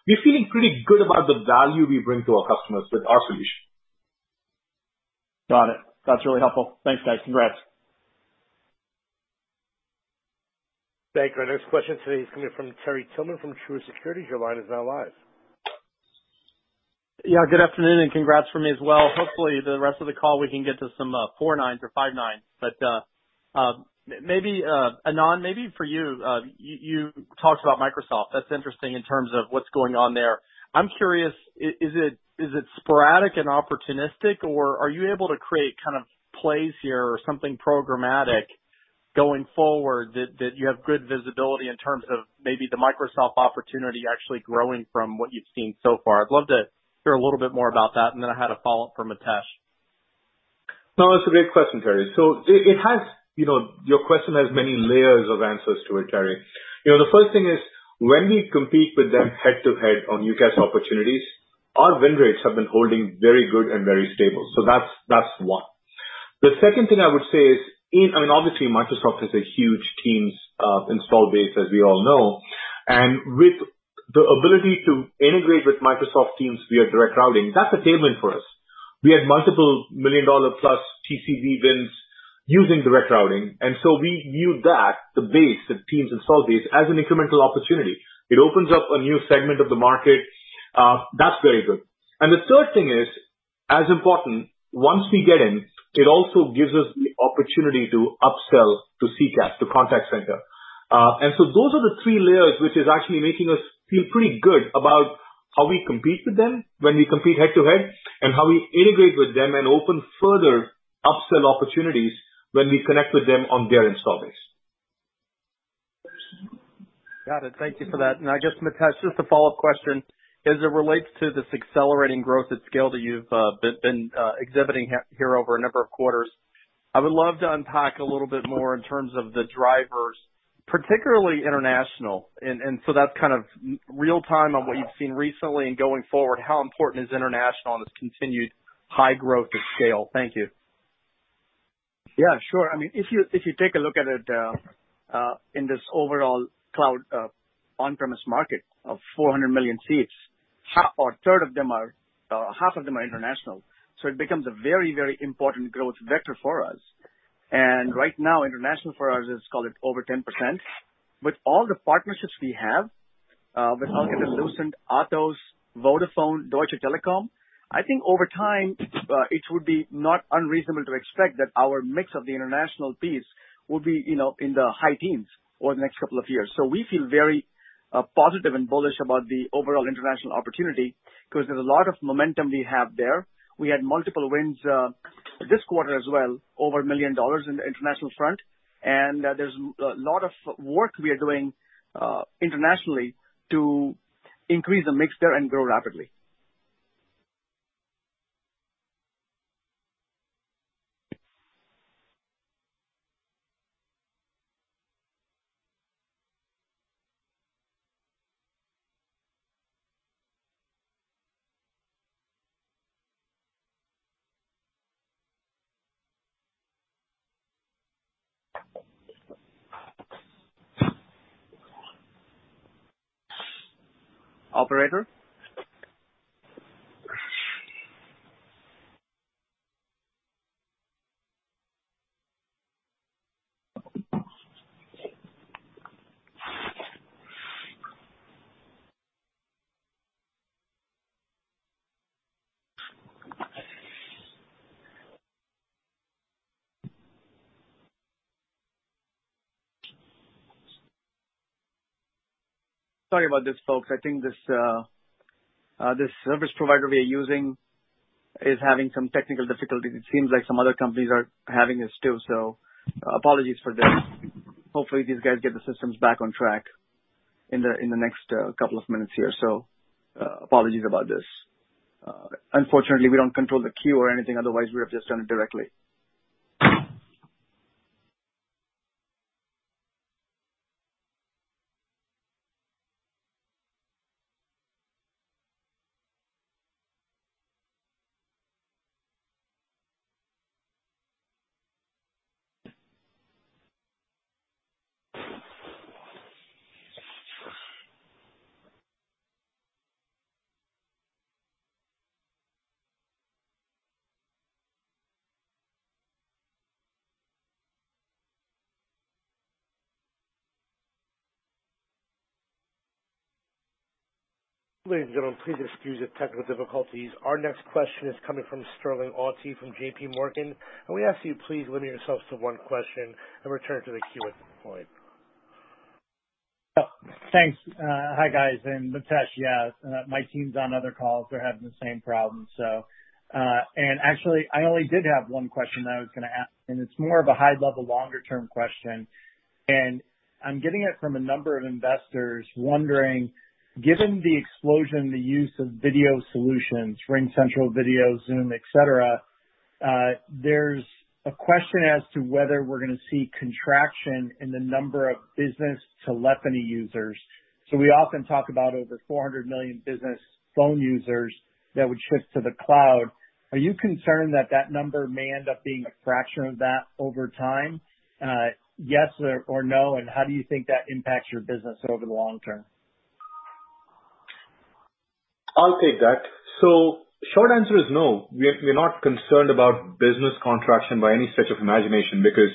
We're feeling pretty good about the value we bring to our customers with our solution. Got it. That's really helpful. Thanks, guys. Congrats. Thank you. Our next question today is coming from Terry Tillman from Truist Securities. Your line is now live. Yeah. Good afternoon and congrats from me as well. Hopefully, the rest of the call we can get to some four nines or five nines. Anand, maybe for you. You talked about Microsoft. That's interesting in terms of what's going on there. I'm curious, is it sporadic and opportunistic, or are you able to create plays here or something programmatic going forward that you have good visibility in terms of maybe the Microsoft opportunity actually growing from what you've seen so far? I'd love to hear a little bit more about that, and then I had a follow-up for Mitesh. That's a great question, Terry. Your question has many layers of answers to it, Terry. The first thing is, when we compete with them head-to-head on UCaaS opportunities, our win rates have been holding very good and very stable. That's one. The second thing I would say is, obviously Microsoft has a huge Teams install base, as we all know, and with the ability to integrate with Microsoft Teams via Direct Routing, that's a tailwind for us. We had multiple million-dollar-plus TCV wins using Direct Routing, and so we view that, the base, the Teams install base, as an incremental opportunity. It opens up a new segment of the market. That's very good. The third thing is, as important, once we get in, it also gives us the opportunity to upsell to CCaaS, to contact center. Those are the three layers, which is actually making us feel pretty good about how we compete with them when we compete head-to-head, and how we integrate with them and open further upsell opportunities when we connect with them on their install base. Got it. Thank you for that. I guess, Mitesh, just a follow-up question. As it relates to this accelerating growth at scale that you've been exhibiting here over a number of quarters, I would love to unpack a little bit more in terms of the drivers, particularly international. That's real-time on what you've seen recently and going forward, how important is international in this continued high growth at scale? Thank you. Yeah, sure. If you take a look at it in this overall cloud on-premise market of 400 million seats, half of them are international. It becomes a very, very important growth vector for us. Right now, international for us is, call it, over 10%. With all the partnerships we have with Alcatel-Lucent, Atos, Vodafone, Deutsche Telekom, I think over time, it would be not unreasonable to expect that our mix of the international piece will be in the high teens over the next couple of years. We feel very positive and bullish about the overall international opportunity because there's a lot of momentum we have there. We had multiple wins this quarter as well, over $1 million in the international front, and there's a lot of work we are doing internationally to increase the mix there and grow rapidly. Operator? Sorry about this, folks. I think this service provider we are using is having some technical difficulties. It seems like some other companies are having it too, so apologies for this. Hopefully, these guys get the systems back on track in the next couple of minutes here. Apologies about this. Unfortunately, we don't control the queue or anything, otherwise we would have just done it directly. Ladies and gentlemen, please excuse the technical difficulties. Our next question is coming from Sterling Auty from JPMorgan. I would ask you, please limit yourselves to one question and return to the queue at this point. Oh, thanks. Hi, guys. Mitesh, yeah, my team's on other calls. They're having the same problem. Actually, I only did have one question that I was going to ask, and it's more of a high-level, longer-term question. I'm getting it from a number of investors wondering, given the explosion in the use of video solutions, RingCentral Video, Zoom, et cetera, there's a question as to whether we're going to see contraction in the number of business telephony users. We often talk about over 400 million business phone users that would shift to the cloud. Are you concerned that that number may end up being a fraction of that over time? Yes or no, how do you think that impacts your business over the long term? I'll take that. Short answer is no. We're not concerned about business contraction by any stretch of imagination because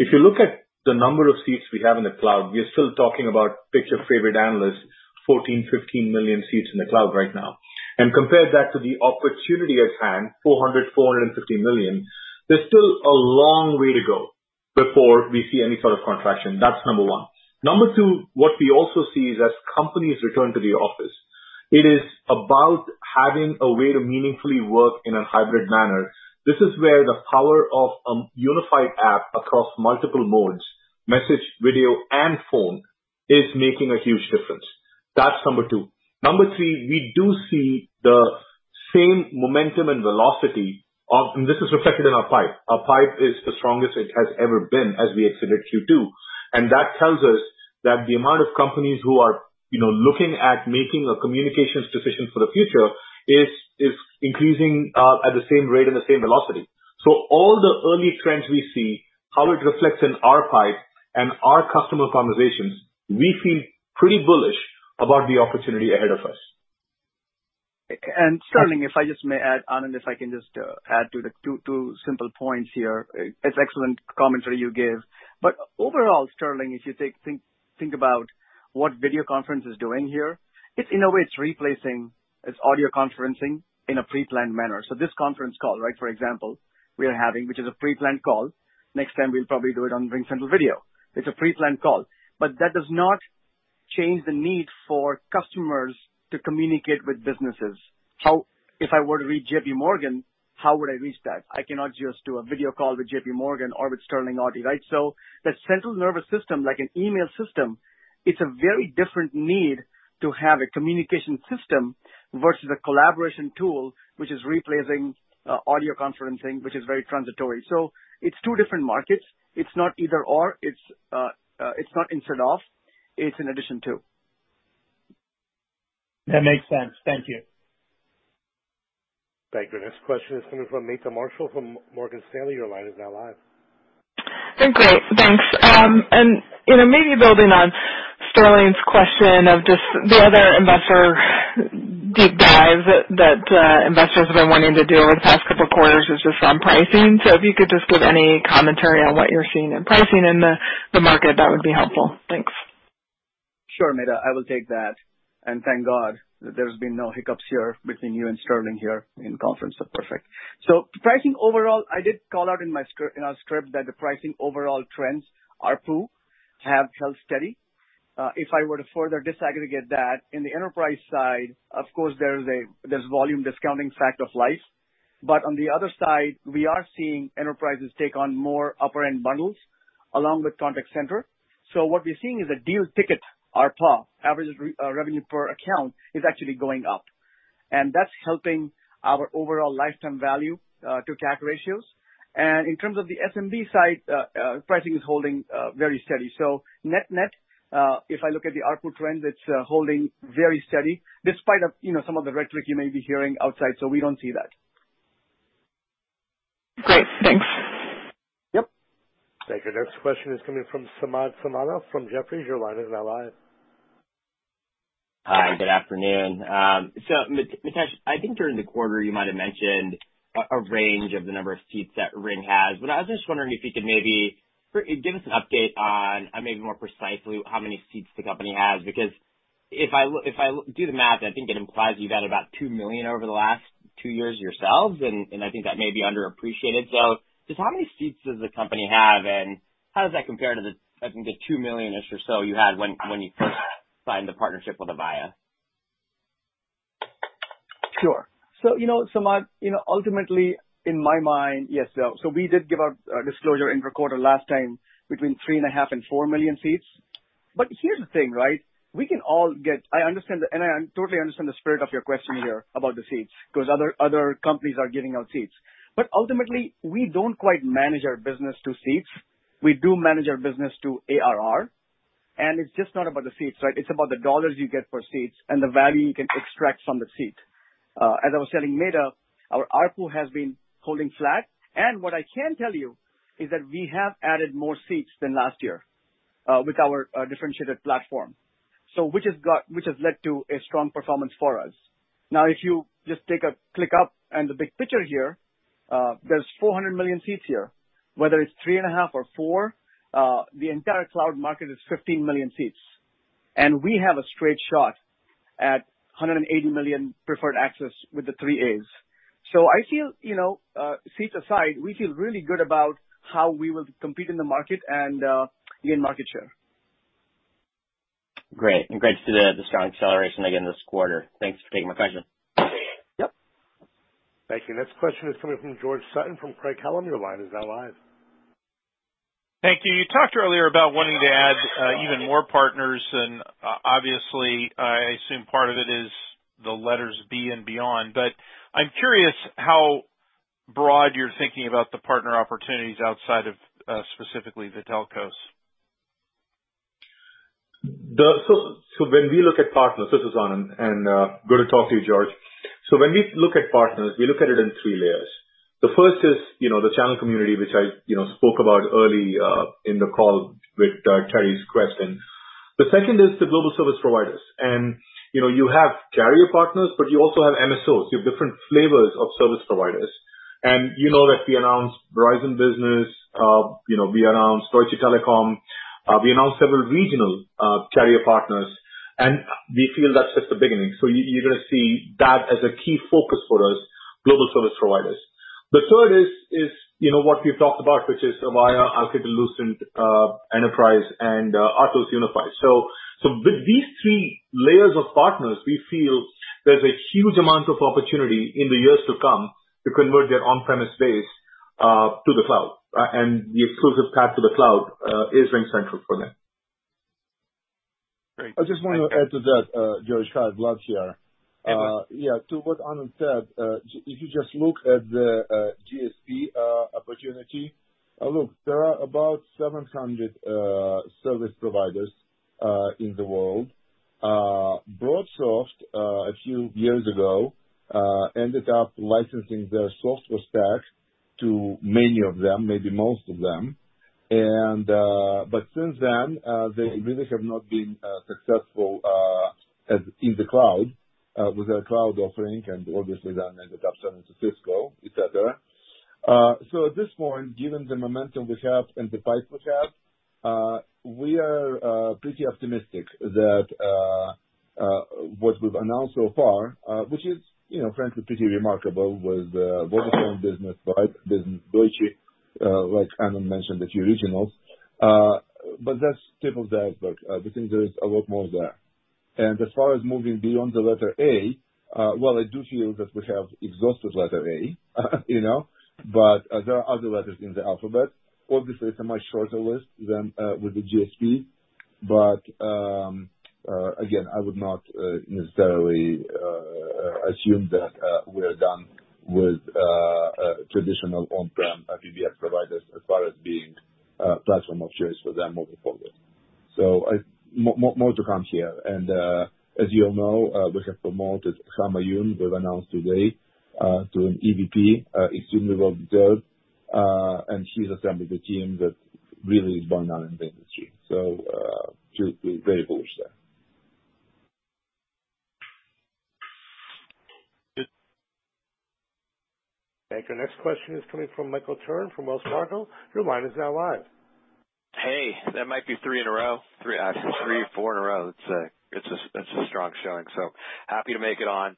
if you look at the number of seats we have in the cloud, we are still talking about picture favorite analysts, 14 million-15 million seats in the cloud right now. Compare that to the opportunity at hand, 400 million-450 million, there's still a long way to go before we see any sort of contraction. That's number one. Number two, what we also see is as companies return to the office, it is about having a way to meaningfully work in a hybrid manner. This is where the power of a unified app across multiple modes, message, video, and phone, is making a huge difference. That's number two. Number three, we do see the same momentum and velocity of. This is reflected in our pipe. Our pipe is the strongest it has ever been as we exited Q2. That tells us that the amount of companies who are looking at making a communications solution for the future is increasing at the same rate and the same velocity. All the early trends we see, how it reflects in our pipe and our customer conversations, we feel pretty bullish about the opportunity ahead of us. Sterling, if I just may add, Anand, if I can just add two simple points here. It's excellent commentary you gave. Overall, Sterling, if you think about what video conference is doing here, in a way, it's replacing, it's audio conferencing in a pre-planned manner. This conference call, for example, we are having, which is a pre-planned call. Next time, we'll probably do it on RingCentral Video. It's a pre-planned call. That does not change the need for customers to communicate with businesses. If I were to reach JPMorgan, how would I reach that? I cannot just do a video call to JPMorgan or with Sterling Auty. The central nervous system, like an email system, it's a very different need to have a communication system versus a collaboration tool, which is replacing audio conferencing, which is very transitory. It's two different markets. It's not either/or, it's not instead of, it's in addition to. That makes sense. Thank you. Thank you. Next question is coming from Meta Marshall from Morgan Stanley. Your line is now live. Great. Thanks. Maybe building on Sterling's question of just the other investor deep dive that investors have been wanting to do over the past couple of quarters is just on pricing. If you could just give any commentary on what you're seeing in pricing in the market, that would be helpful. Thanks. Sure, Meta. I will take that. Thank God that there's been no hiccups here between you and Sterling here in conference. Perfect. Pricing overall, I did call out in our script that the pricing overall trends, ARPU, have held steady. If I were to further disaggregate that, in the enterprise side, of course there's volume discounting fact of life. On the other side, we are seeing enterprises take on more upper-end bundles along with contact center. What we're seeing is a deal ticket, ARPA, average revenue per account, is actually going up. That's helping our overall lifetime value to CAC ratios. In terms of the SMB side, pricing is holding very steady. Net-net, if I look at the ARPU trend, it's holding very steady despite of some of the rhetoric you may be hearing outside, so we don't see that. Great. Thanks. Yep. Thank you. Next question is coming from Samad Samana from Jefferies. Your line is now live. Hi, good afternoon. Mitesh, I think during the quarter you might have mentioned a range of the number of seats that Ring has, but I was just wondering if you could maybe give us an update on maybe more precisely how many seats the company has. If I do the math, I think it implies you've had about 2 million over the last two years yourselves, and I think that may be underappreciated. Just how many seats does the company have, and how does that compare to the, I think the 2 million-ish or so you had when you first signed the partnership with Avaya? Sure. Samad, ultimately in my mind Yes, we did give a disclosure in the quarter last time between 3.5 million and 4 million seats. Here's the thing, right? I understand, and I totally understand the spirit of your question here about the seats, because other companies are giving out seats. Ultimately, we don't quite manage our business to seats. We do manage our business to ARR, and it's just not about the seats, right? It's about the dollars you get for seats and the value you can extract from the seat. As I was telling Meta, our ARPU has been holding flat, and what I can tell you is that we have added more seats than last year, with our differentiated platform. Which has led to a strong performance for us. If you just take a click up and the big picture here, there's 400 million seats here. Whether it's 3.5 or four, the entire cloud market is 15 million seats. We have a straight shot at 180 million preferred access with the three As. I feel, seats aside, we feel really good about how we will compete in the market and gain market share. Great, and great to see the strong acceleration again this quarter. Thanks for taking my question. Yep. Thank you. Next question is coming from George Sutton from Craig-Hallum. Thank you. You talked earlier about wanting to add even more partners, and obviously I assume part of it is the letters B and beyond, but I'm curious how broad you're thinking about the partner opportunities outside of specifically the telcos. When we look at partners, this is Anand, and good to talk to you, George. When we look at partners, we look at it in three layers. The first is the channel community, which I spoke about early in the call with Terry's question. The second is the global service providers. You have carrier partners, but you also have MSOs. You have different flavors of service providers. You know that we announced Verizon Business, we announced Deutsche Telekom, we announced several regional carrier partners, and we feel that's just the beginning. You're going to see that as a key focus for us, global service providers. The third is what we've talked about, which is Avaya, Alcatel-Lucent Enterprise, and Atos Unify. With these three layers of partners, we feel there's a huge amount of opportunity in the years to come to convert their on-premise base to the cloud. The exclusive path to the cloud is RingCentral for them. Great. I just want to add to that, George. Vlad here. Yeah. To what Anand said, if you just look at the GSP opportunity, look, there are about 700 service providers in the world. BroadSoft, a few years ago, ended up licensing their software stack to many of them, maybe most of them. Since then, they really have not been successful in the cloud with their cloud offering, and obviously that ended up selling to Cisco, et cetera. At this point, given the momentum we have and the pipes we have, we are pretty optimistic that what we've announced so far, which is frankly pretty remarkable, with Vodafone Business, Rainbow Office, Deutsche, like Anand mentioned, a few regionals. That's tip of the iceberg. We think there is a lot more there. As far as moving beyond the letter A, well, I do feel that we have exhausted letter A, there are other letters in the alphabet. Obviously, it's a much shorter list than with the GSP. Again, I would not necessarily assume that we are done with traditional on-prem PBX providers as far as being a platform of choice for them moving forward. More to come here. As you all know, we have promoted Homayoun, we've announced today, to an EVP, extremely well deserved, and she's assembled a team that really is one-of-kind in the industry. Very bullish there. Thank you. Next question is coming from Michael Turrin from Wells Fargo. Your line is now live. Hey. That might be three in a row. Three, actually four in a row. It's a strong showing, so happy to make it on.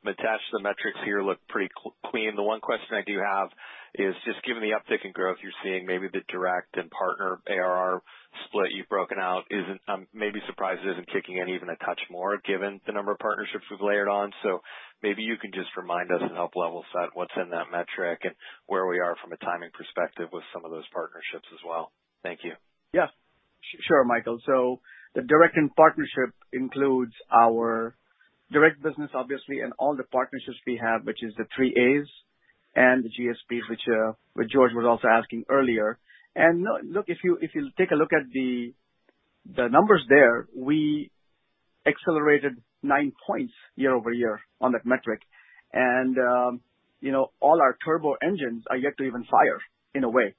Mitesh, the metrics here look pretty clean. The one question I do have is just given the uptick in growth you're seeing, maybe the direct and partner ARR split you've broken out, maybe surprised it isn't kicking in even a touch more given the number of partnerships we've layered on. Maybe you can just remind us and help level set what's in that metric and where we are from a timing perspective with some of those partnerships as well. Thank you. Sure, Michael. The direct and partnership includes our direct business, obviously, and all the partnerships we have, which is the three As and the GSPs, which George was also asking earlier. Look, if you take a look at the numbers there, we accelerated 9 points year-over-year on that metric. All our turbo engines are yet to even fire, in a way.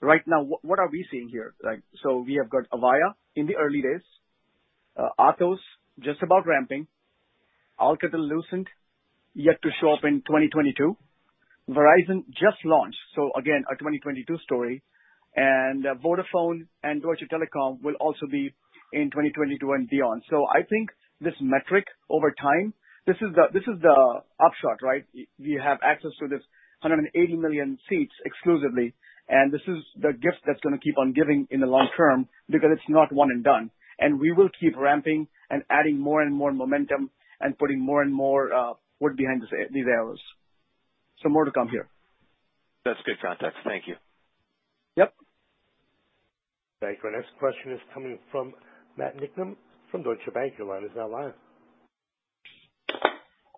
Right now, what are we seeing here? We have got Avaya in the early days. Atos just about ramping. Alcatel-Lucent yet to show up in 2022. Verizon just launched, again, a 2022 story. Vodafone and Deutsche Telekom will also be in 2022 and beyond. I think this metric over time, this is the upshot, right? We have access to this 180 million seats exclusively. This is the gift that's going to keep on giving in the long term because it's not one and done. We will keep ramping and adding more and more momentum and putting more and more wood behind these arrows. More to come here. That's good context. Thank you. Yep. Thank you. Our next question is coming from Matthew Niknam from Deutsche Bank.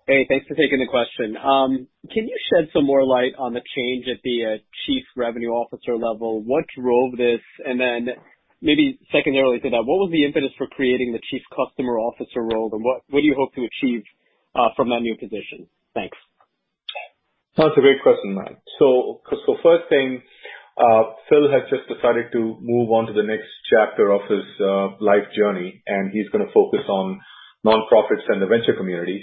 Hey, thanks for taking the question. Can you shed some more light on the change at the Chief Revenue Officer level? What drove this? maybe secondarily to that, what was the impetus for creating the Chief Customer Officer role, and what do you hope to achieve from that new position? Thanks. That's a great question, Matt. First thing, Phil has just decided to move on to the next chapter of his life journey, and he's going to focus on nonprofits and the venture community.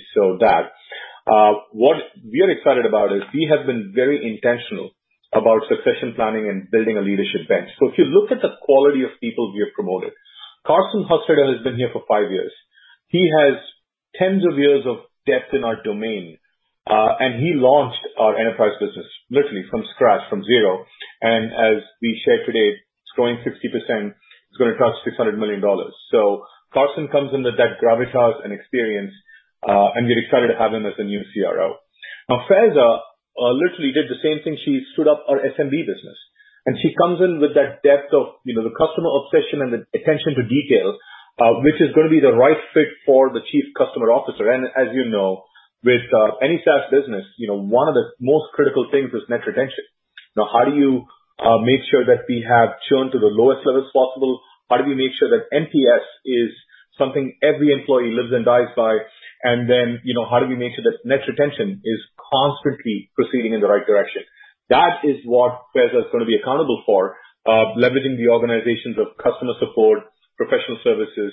What we are excited about is we have been very intentional about succession planning and building a leadership bench. If you look at the quality of people we have promoted, Carson Hostetter has been here for five years. He has tens of years of depth in our domain. He launched our enterprise business literally from scratch, from zero. As we shared today, it's growing 60%, it's going to cross $600 million. Carson comes in with that gravitas and experience, and we're excited to have him as the new CRO. Now Faiza literally did the same thing. She stood up our SMB business. She comes in with that depth of the customer obsession and attention to detail, which is going to be the right fit for the Chief Customer Officer. As you know, with any SaaS business, one of the most critical things is net retention. How do you make sure that we have churn to the lowest levels possible? How do we make sure that NPS is something every employee lives and dies by? How do we make sure that net retention is constantly proceeding in the right direction? That is what Faiza is going to be accountable for, leveraging the organizations of customer support, professional services,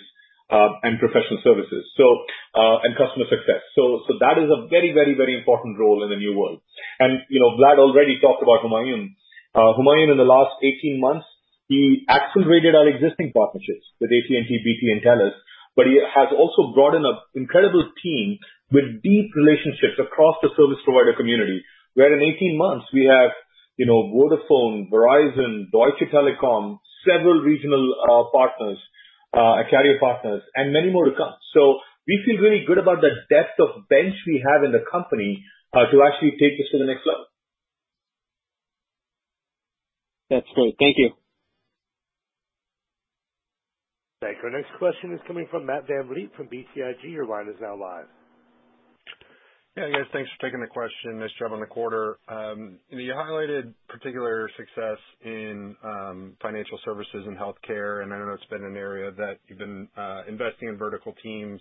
and customer success. That is a very important role in the new world. Vlad already talked about Homayoun. Homayoun, in the last 18 months, he accelerated our existing partnerships with AT&T, BT, and Telus. He has also brought in an incredible team with deep relationships across the service provider community, where in 18 months we have Vodafone, Verizon, Deutsche Telekom, several regional partners, carrier partners, and many more to come. We feel really good about the depth of bench we have in the company, to actually take this to the next level. That's great. Thank you. Thank you. Our next question is coming from Matt VanVliet from BTIG. Your line is now live. Guys, thanks for taking the question. Nice job on the quarter. You highlighted particular success in financial services and healthcare, and I know it's been an area that you've been investing in vertical teams.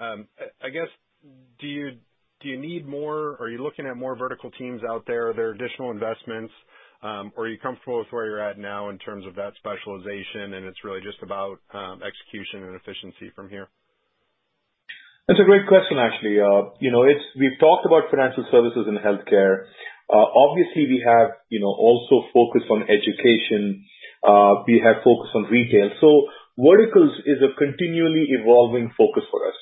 I guess, do you need more? Are you looking at more vertical teams out there? Are there additional investments? Are you comfortable with where you're at now in terms of that specialization, and it's really just about execution and efficiency from here? That's a great question, actually. We've talked about financial services and healthcare. Obviously, we have also focused on education. We have focused on retail. Verticals is a continually evolving focus for us.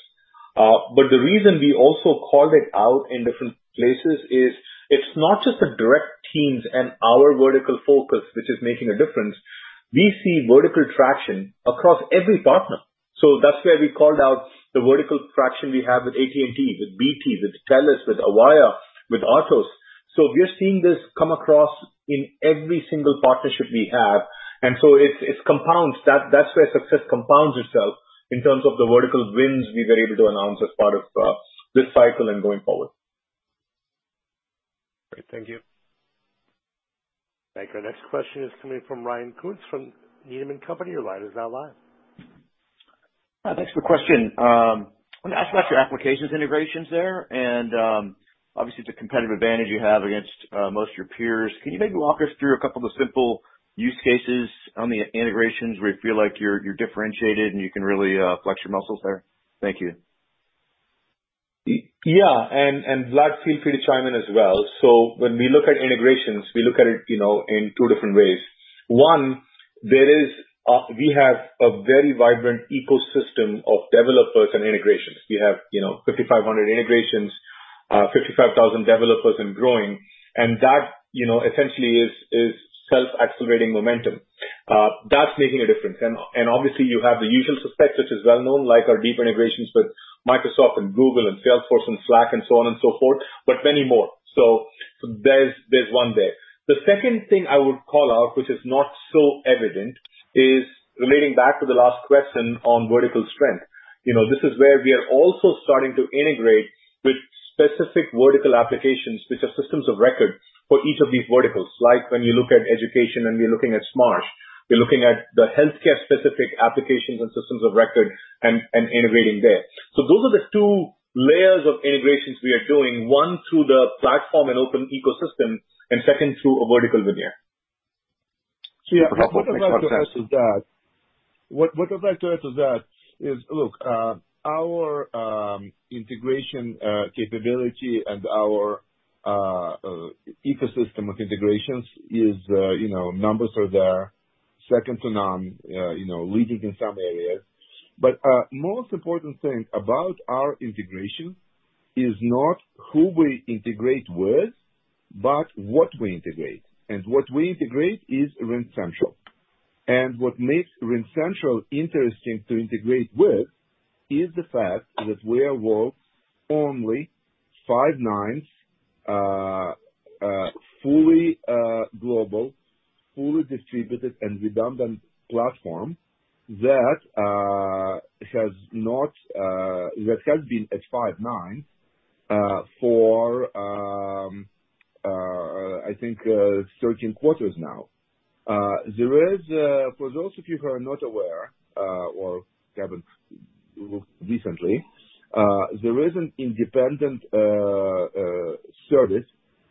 The reason we also called it out in different places is it's not just the direct teams and our vertical focus which is making a difference. We see vertical traction across every partner. That's where we called out the vertical traction we have with AT&T, with BT, with Telus, with Avaya, with Atos. We are seeing this come across in every single partnership we have, and so it compounds. That's where success compounds itself in terms of the vertical wins we were able to announce as part of this cycle and going forward. Great. Thank you. Thank you. Our next question is coming from Ryan Koontz from Needham & Company. Your line is now live. Thanks for the question. I want to ask about your applications integrations there, and obviously it's a competitive advantage you have against most of your peers. Can you maybe walk us through a couple of the simple use cases on the integrations where you feel like you're differentiated and you can really flex your muscles there? Thank you. Yeah. Vlad, feel free to chime in as well. When we look at integrations, we look at it in two different ways. One, we have a very vibrant ecosystem of developers and integrations. We have 5,500 integrations, 55,000 developers and growing. That essentially is self-accelerating momentum. That's making a difference. Obviously you have the usual suspects, which is well known, like our deep integrations with Microsoft and Google and Salesforce and Slack and so on and so forth, but many more. There's one there. The second thing I would call out, which is not so evident, is relating back to the last question on vertical strength. This is where we are also starting to integrate with specific vertical applications, which are systems of record for each of these verticals. Like when you look at education and we are looking at Smarts, we are looking at the healthcare-specific applications and systems of record and integrating there. Those are the two layers of integrations we are doing. One through the platform and open ecosystem, and second through a vertical veneer. For the broker. What I'd like to add to that is, look, our integration capability and our ecosystem of integrations is, numbers are there, second to none, leading in some areas. Most important thing about our integration is not who we integrate with, but what we integrate. What we integrate is RingCentral. What makes RingCentral interesting to integrate with is the fact that we are world's only five nines, fully global, fully distributed, and redundant platform that has been at five nine, for I think 13 quarters now. For those of you who are not aware, or haven't looked recently, there is an independent service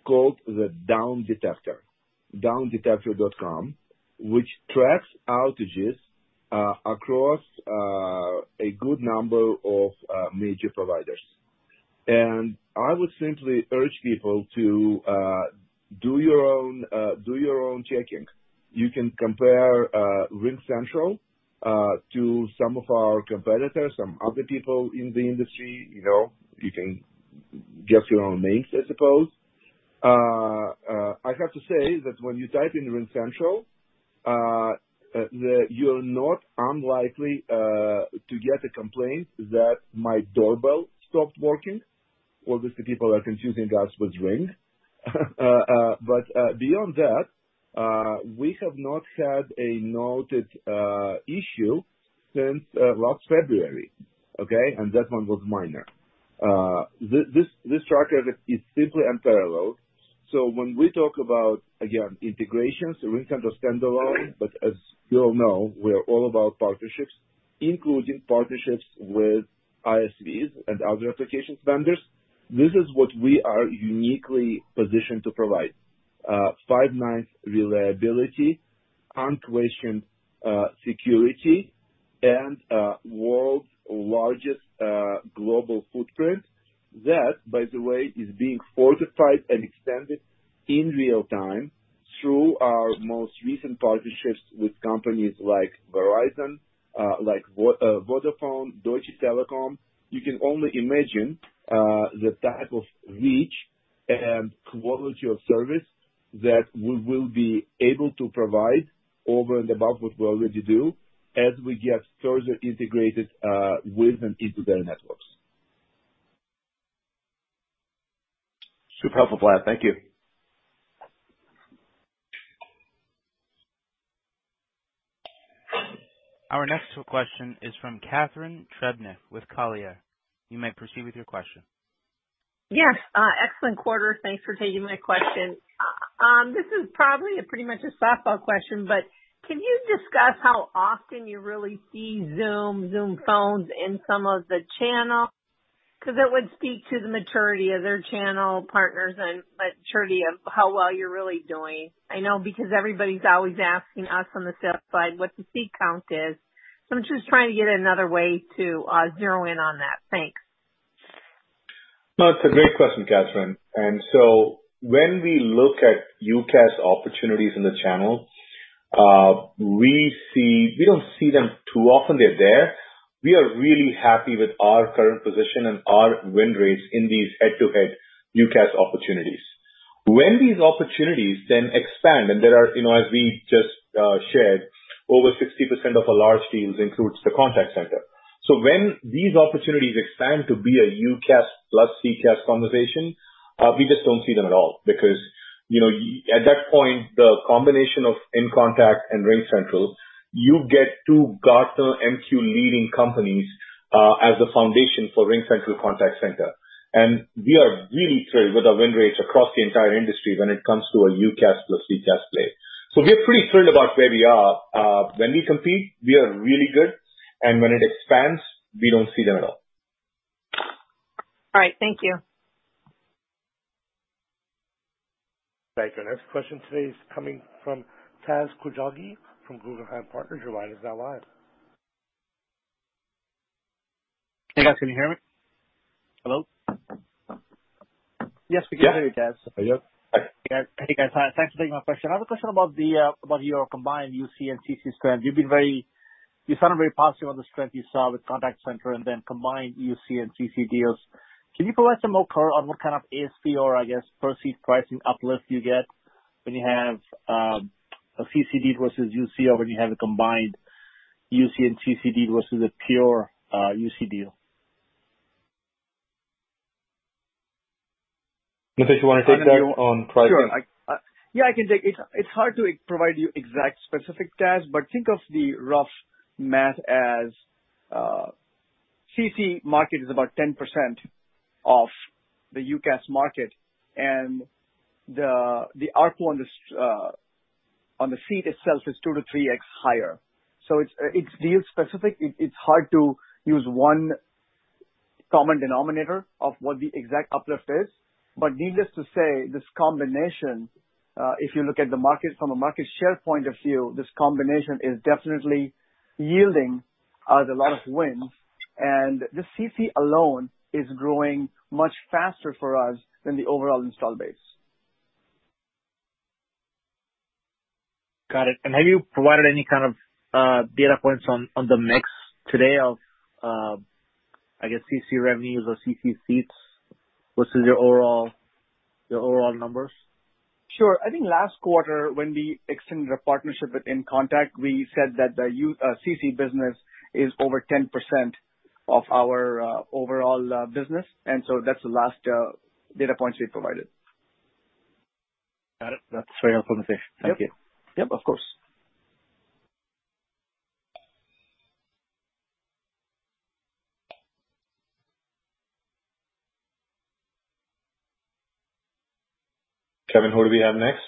called the Downdetector, downdetector.com, which tracks outages across a good number of major providers. I would simply urge people to do your own checking. You can compare RingCentral, to some of our competitors, some other people in the industry. You can guess your own names, I suppose. I have to say that when you type in RingCentral, you're not unlikely to get a complaint that my doorbell stopped working, obviously people are confusing us with Ring. Beyond that, we have not had a noted issue since last February, okay? That one was minor. This tracker is simply unparalleled. When we talk about, again, integrations, RingCentral standalone, as you all know, we are all about partnerships, including partnerships with ISVs and other applications vendors. This is what we are uniquely positioned to provide. Five nines reliability, unquestioned security, and world's largest global footprint. That, by the way, is being fortified and extended in real-time through our most recent partnerships with companies like Verizon, like Vodafone, Deutsche Telekom. You can only imagine the type of reach and quality of service that we will be able to provide over and above what we already do as we get further integrated with and into their networks. Super helpful, Vlad. Thank you. Our next question is from Catharine Trebnick with Colliers. You may proceed with your question. Yes. Excellent quarter. Thanks for taking my question. This is probably pretty much a softball question. Can you discuss how often you really see Zoom Phone in some of the channel? Because it would speak to the maturity of their channel partners and maturity of how well you're really doing. I know because everybody's always asking us on the sales side what the seat count is. I'm just trying to get another way to zero in on that. Thanks. No, it's a great question, Catharine Trebnick. When we look at UCaaS opportunities in the channel, we don't see them too often they're there. We are really happy with our current position and our win rates in these head-to-head UCaaS opportunities. When these opportunities then expand, and there are, as we just shared, over 60% of our large deals includes the contact center. When these opportunities expand to be a UCaaS plus CCaaS conversation, we just don't see them at all. At that point, the combination of inContact and RingCentral, you get two Gartner Magic Quadrant leading companies as the foundation for RingCentral Contact Center. We are really thrilled with our win rates across the entire industry when it comes to a UCaaS plus CCaaS play. We are pretty thrilled about where we are. When we compete, we are really good, and when it expands, we don't see them at all. All right. Thank you. Thank you. Our next question today is coming from Taz Koujalgi from Guggenheim Partners. Your line is now live. Hey, guys, can you hear me? Hello? Yes, we can hear you, Taz. Yeah. Hey, guys. Thanks for taking my question. I have a question about your combined UC and CC strength. You sounded very positive on the strength you saw with contact center and then combined UC and CC deals. Can you provide some more color on what kind of ASP or I guess per seat pricing uplift you get when you have a CC deal versus UC, or when you have a combined UC and CC deal versus a pure UC deal? Mitesh, you want to take that on pricing? Sure. Yeah, I can take it. It's hard to provide you exact specific, Taz, think of the rough math as CC market is about 10% of the UCaaS market, and the ARPU on the seat itself is 2x-3x higher. It's deal specific. It's hard to use one common denominator of what the exact uplift is. Needless to say, this combination, if you look at the market from a market share point of view, this combination is definitely yielding us a lot of wins. The CC alone is growing much faster for us than the overall install base. Got it. Have you provided any kind of data points on the mix today of, I guess CC revenues or CC seats versus your overall numbers? Sure. I think last quarter when we extended our partnership with inContact, we said that the CC business is over 10% of our overall business. That's the last data points we provided. Got it. That's very helpful, Mitesh. Thank you. Yep, of course. Kevin, who do we have next?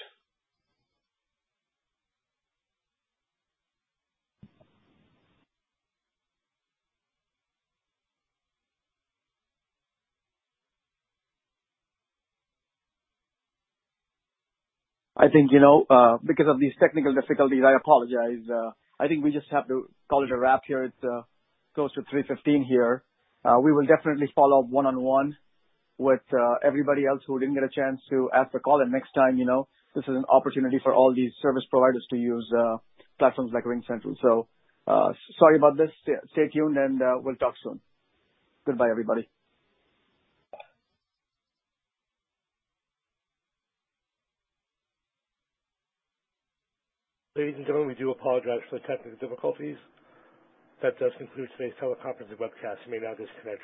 I think, because of these technical difficulties, I apologize. I think we just have to call it a wrap here. It's close to 3:15 here. We will definitely follow up one-on-one with everybody else who didn't get a chance to ask the call in. Next time, this is an opportunity for all these service providers to use platforms like RingCentral. Sorry about this. Stay tuned and we'll talk soon. Goodbye, everybody. Ladies and gentlemen, we do apologize for the technical difficulties. That does conclude today's teleconference and webcast. You may now disconnect your lines.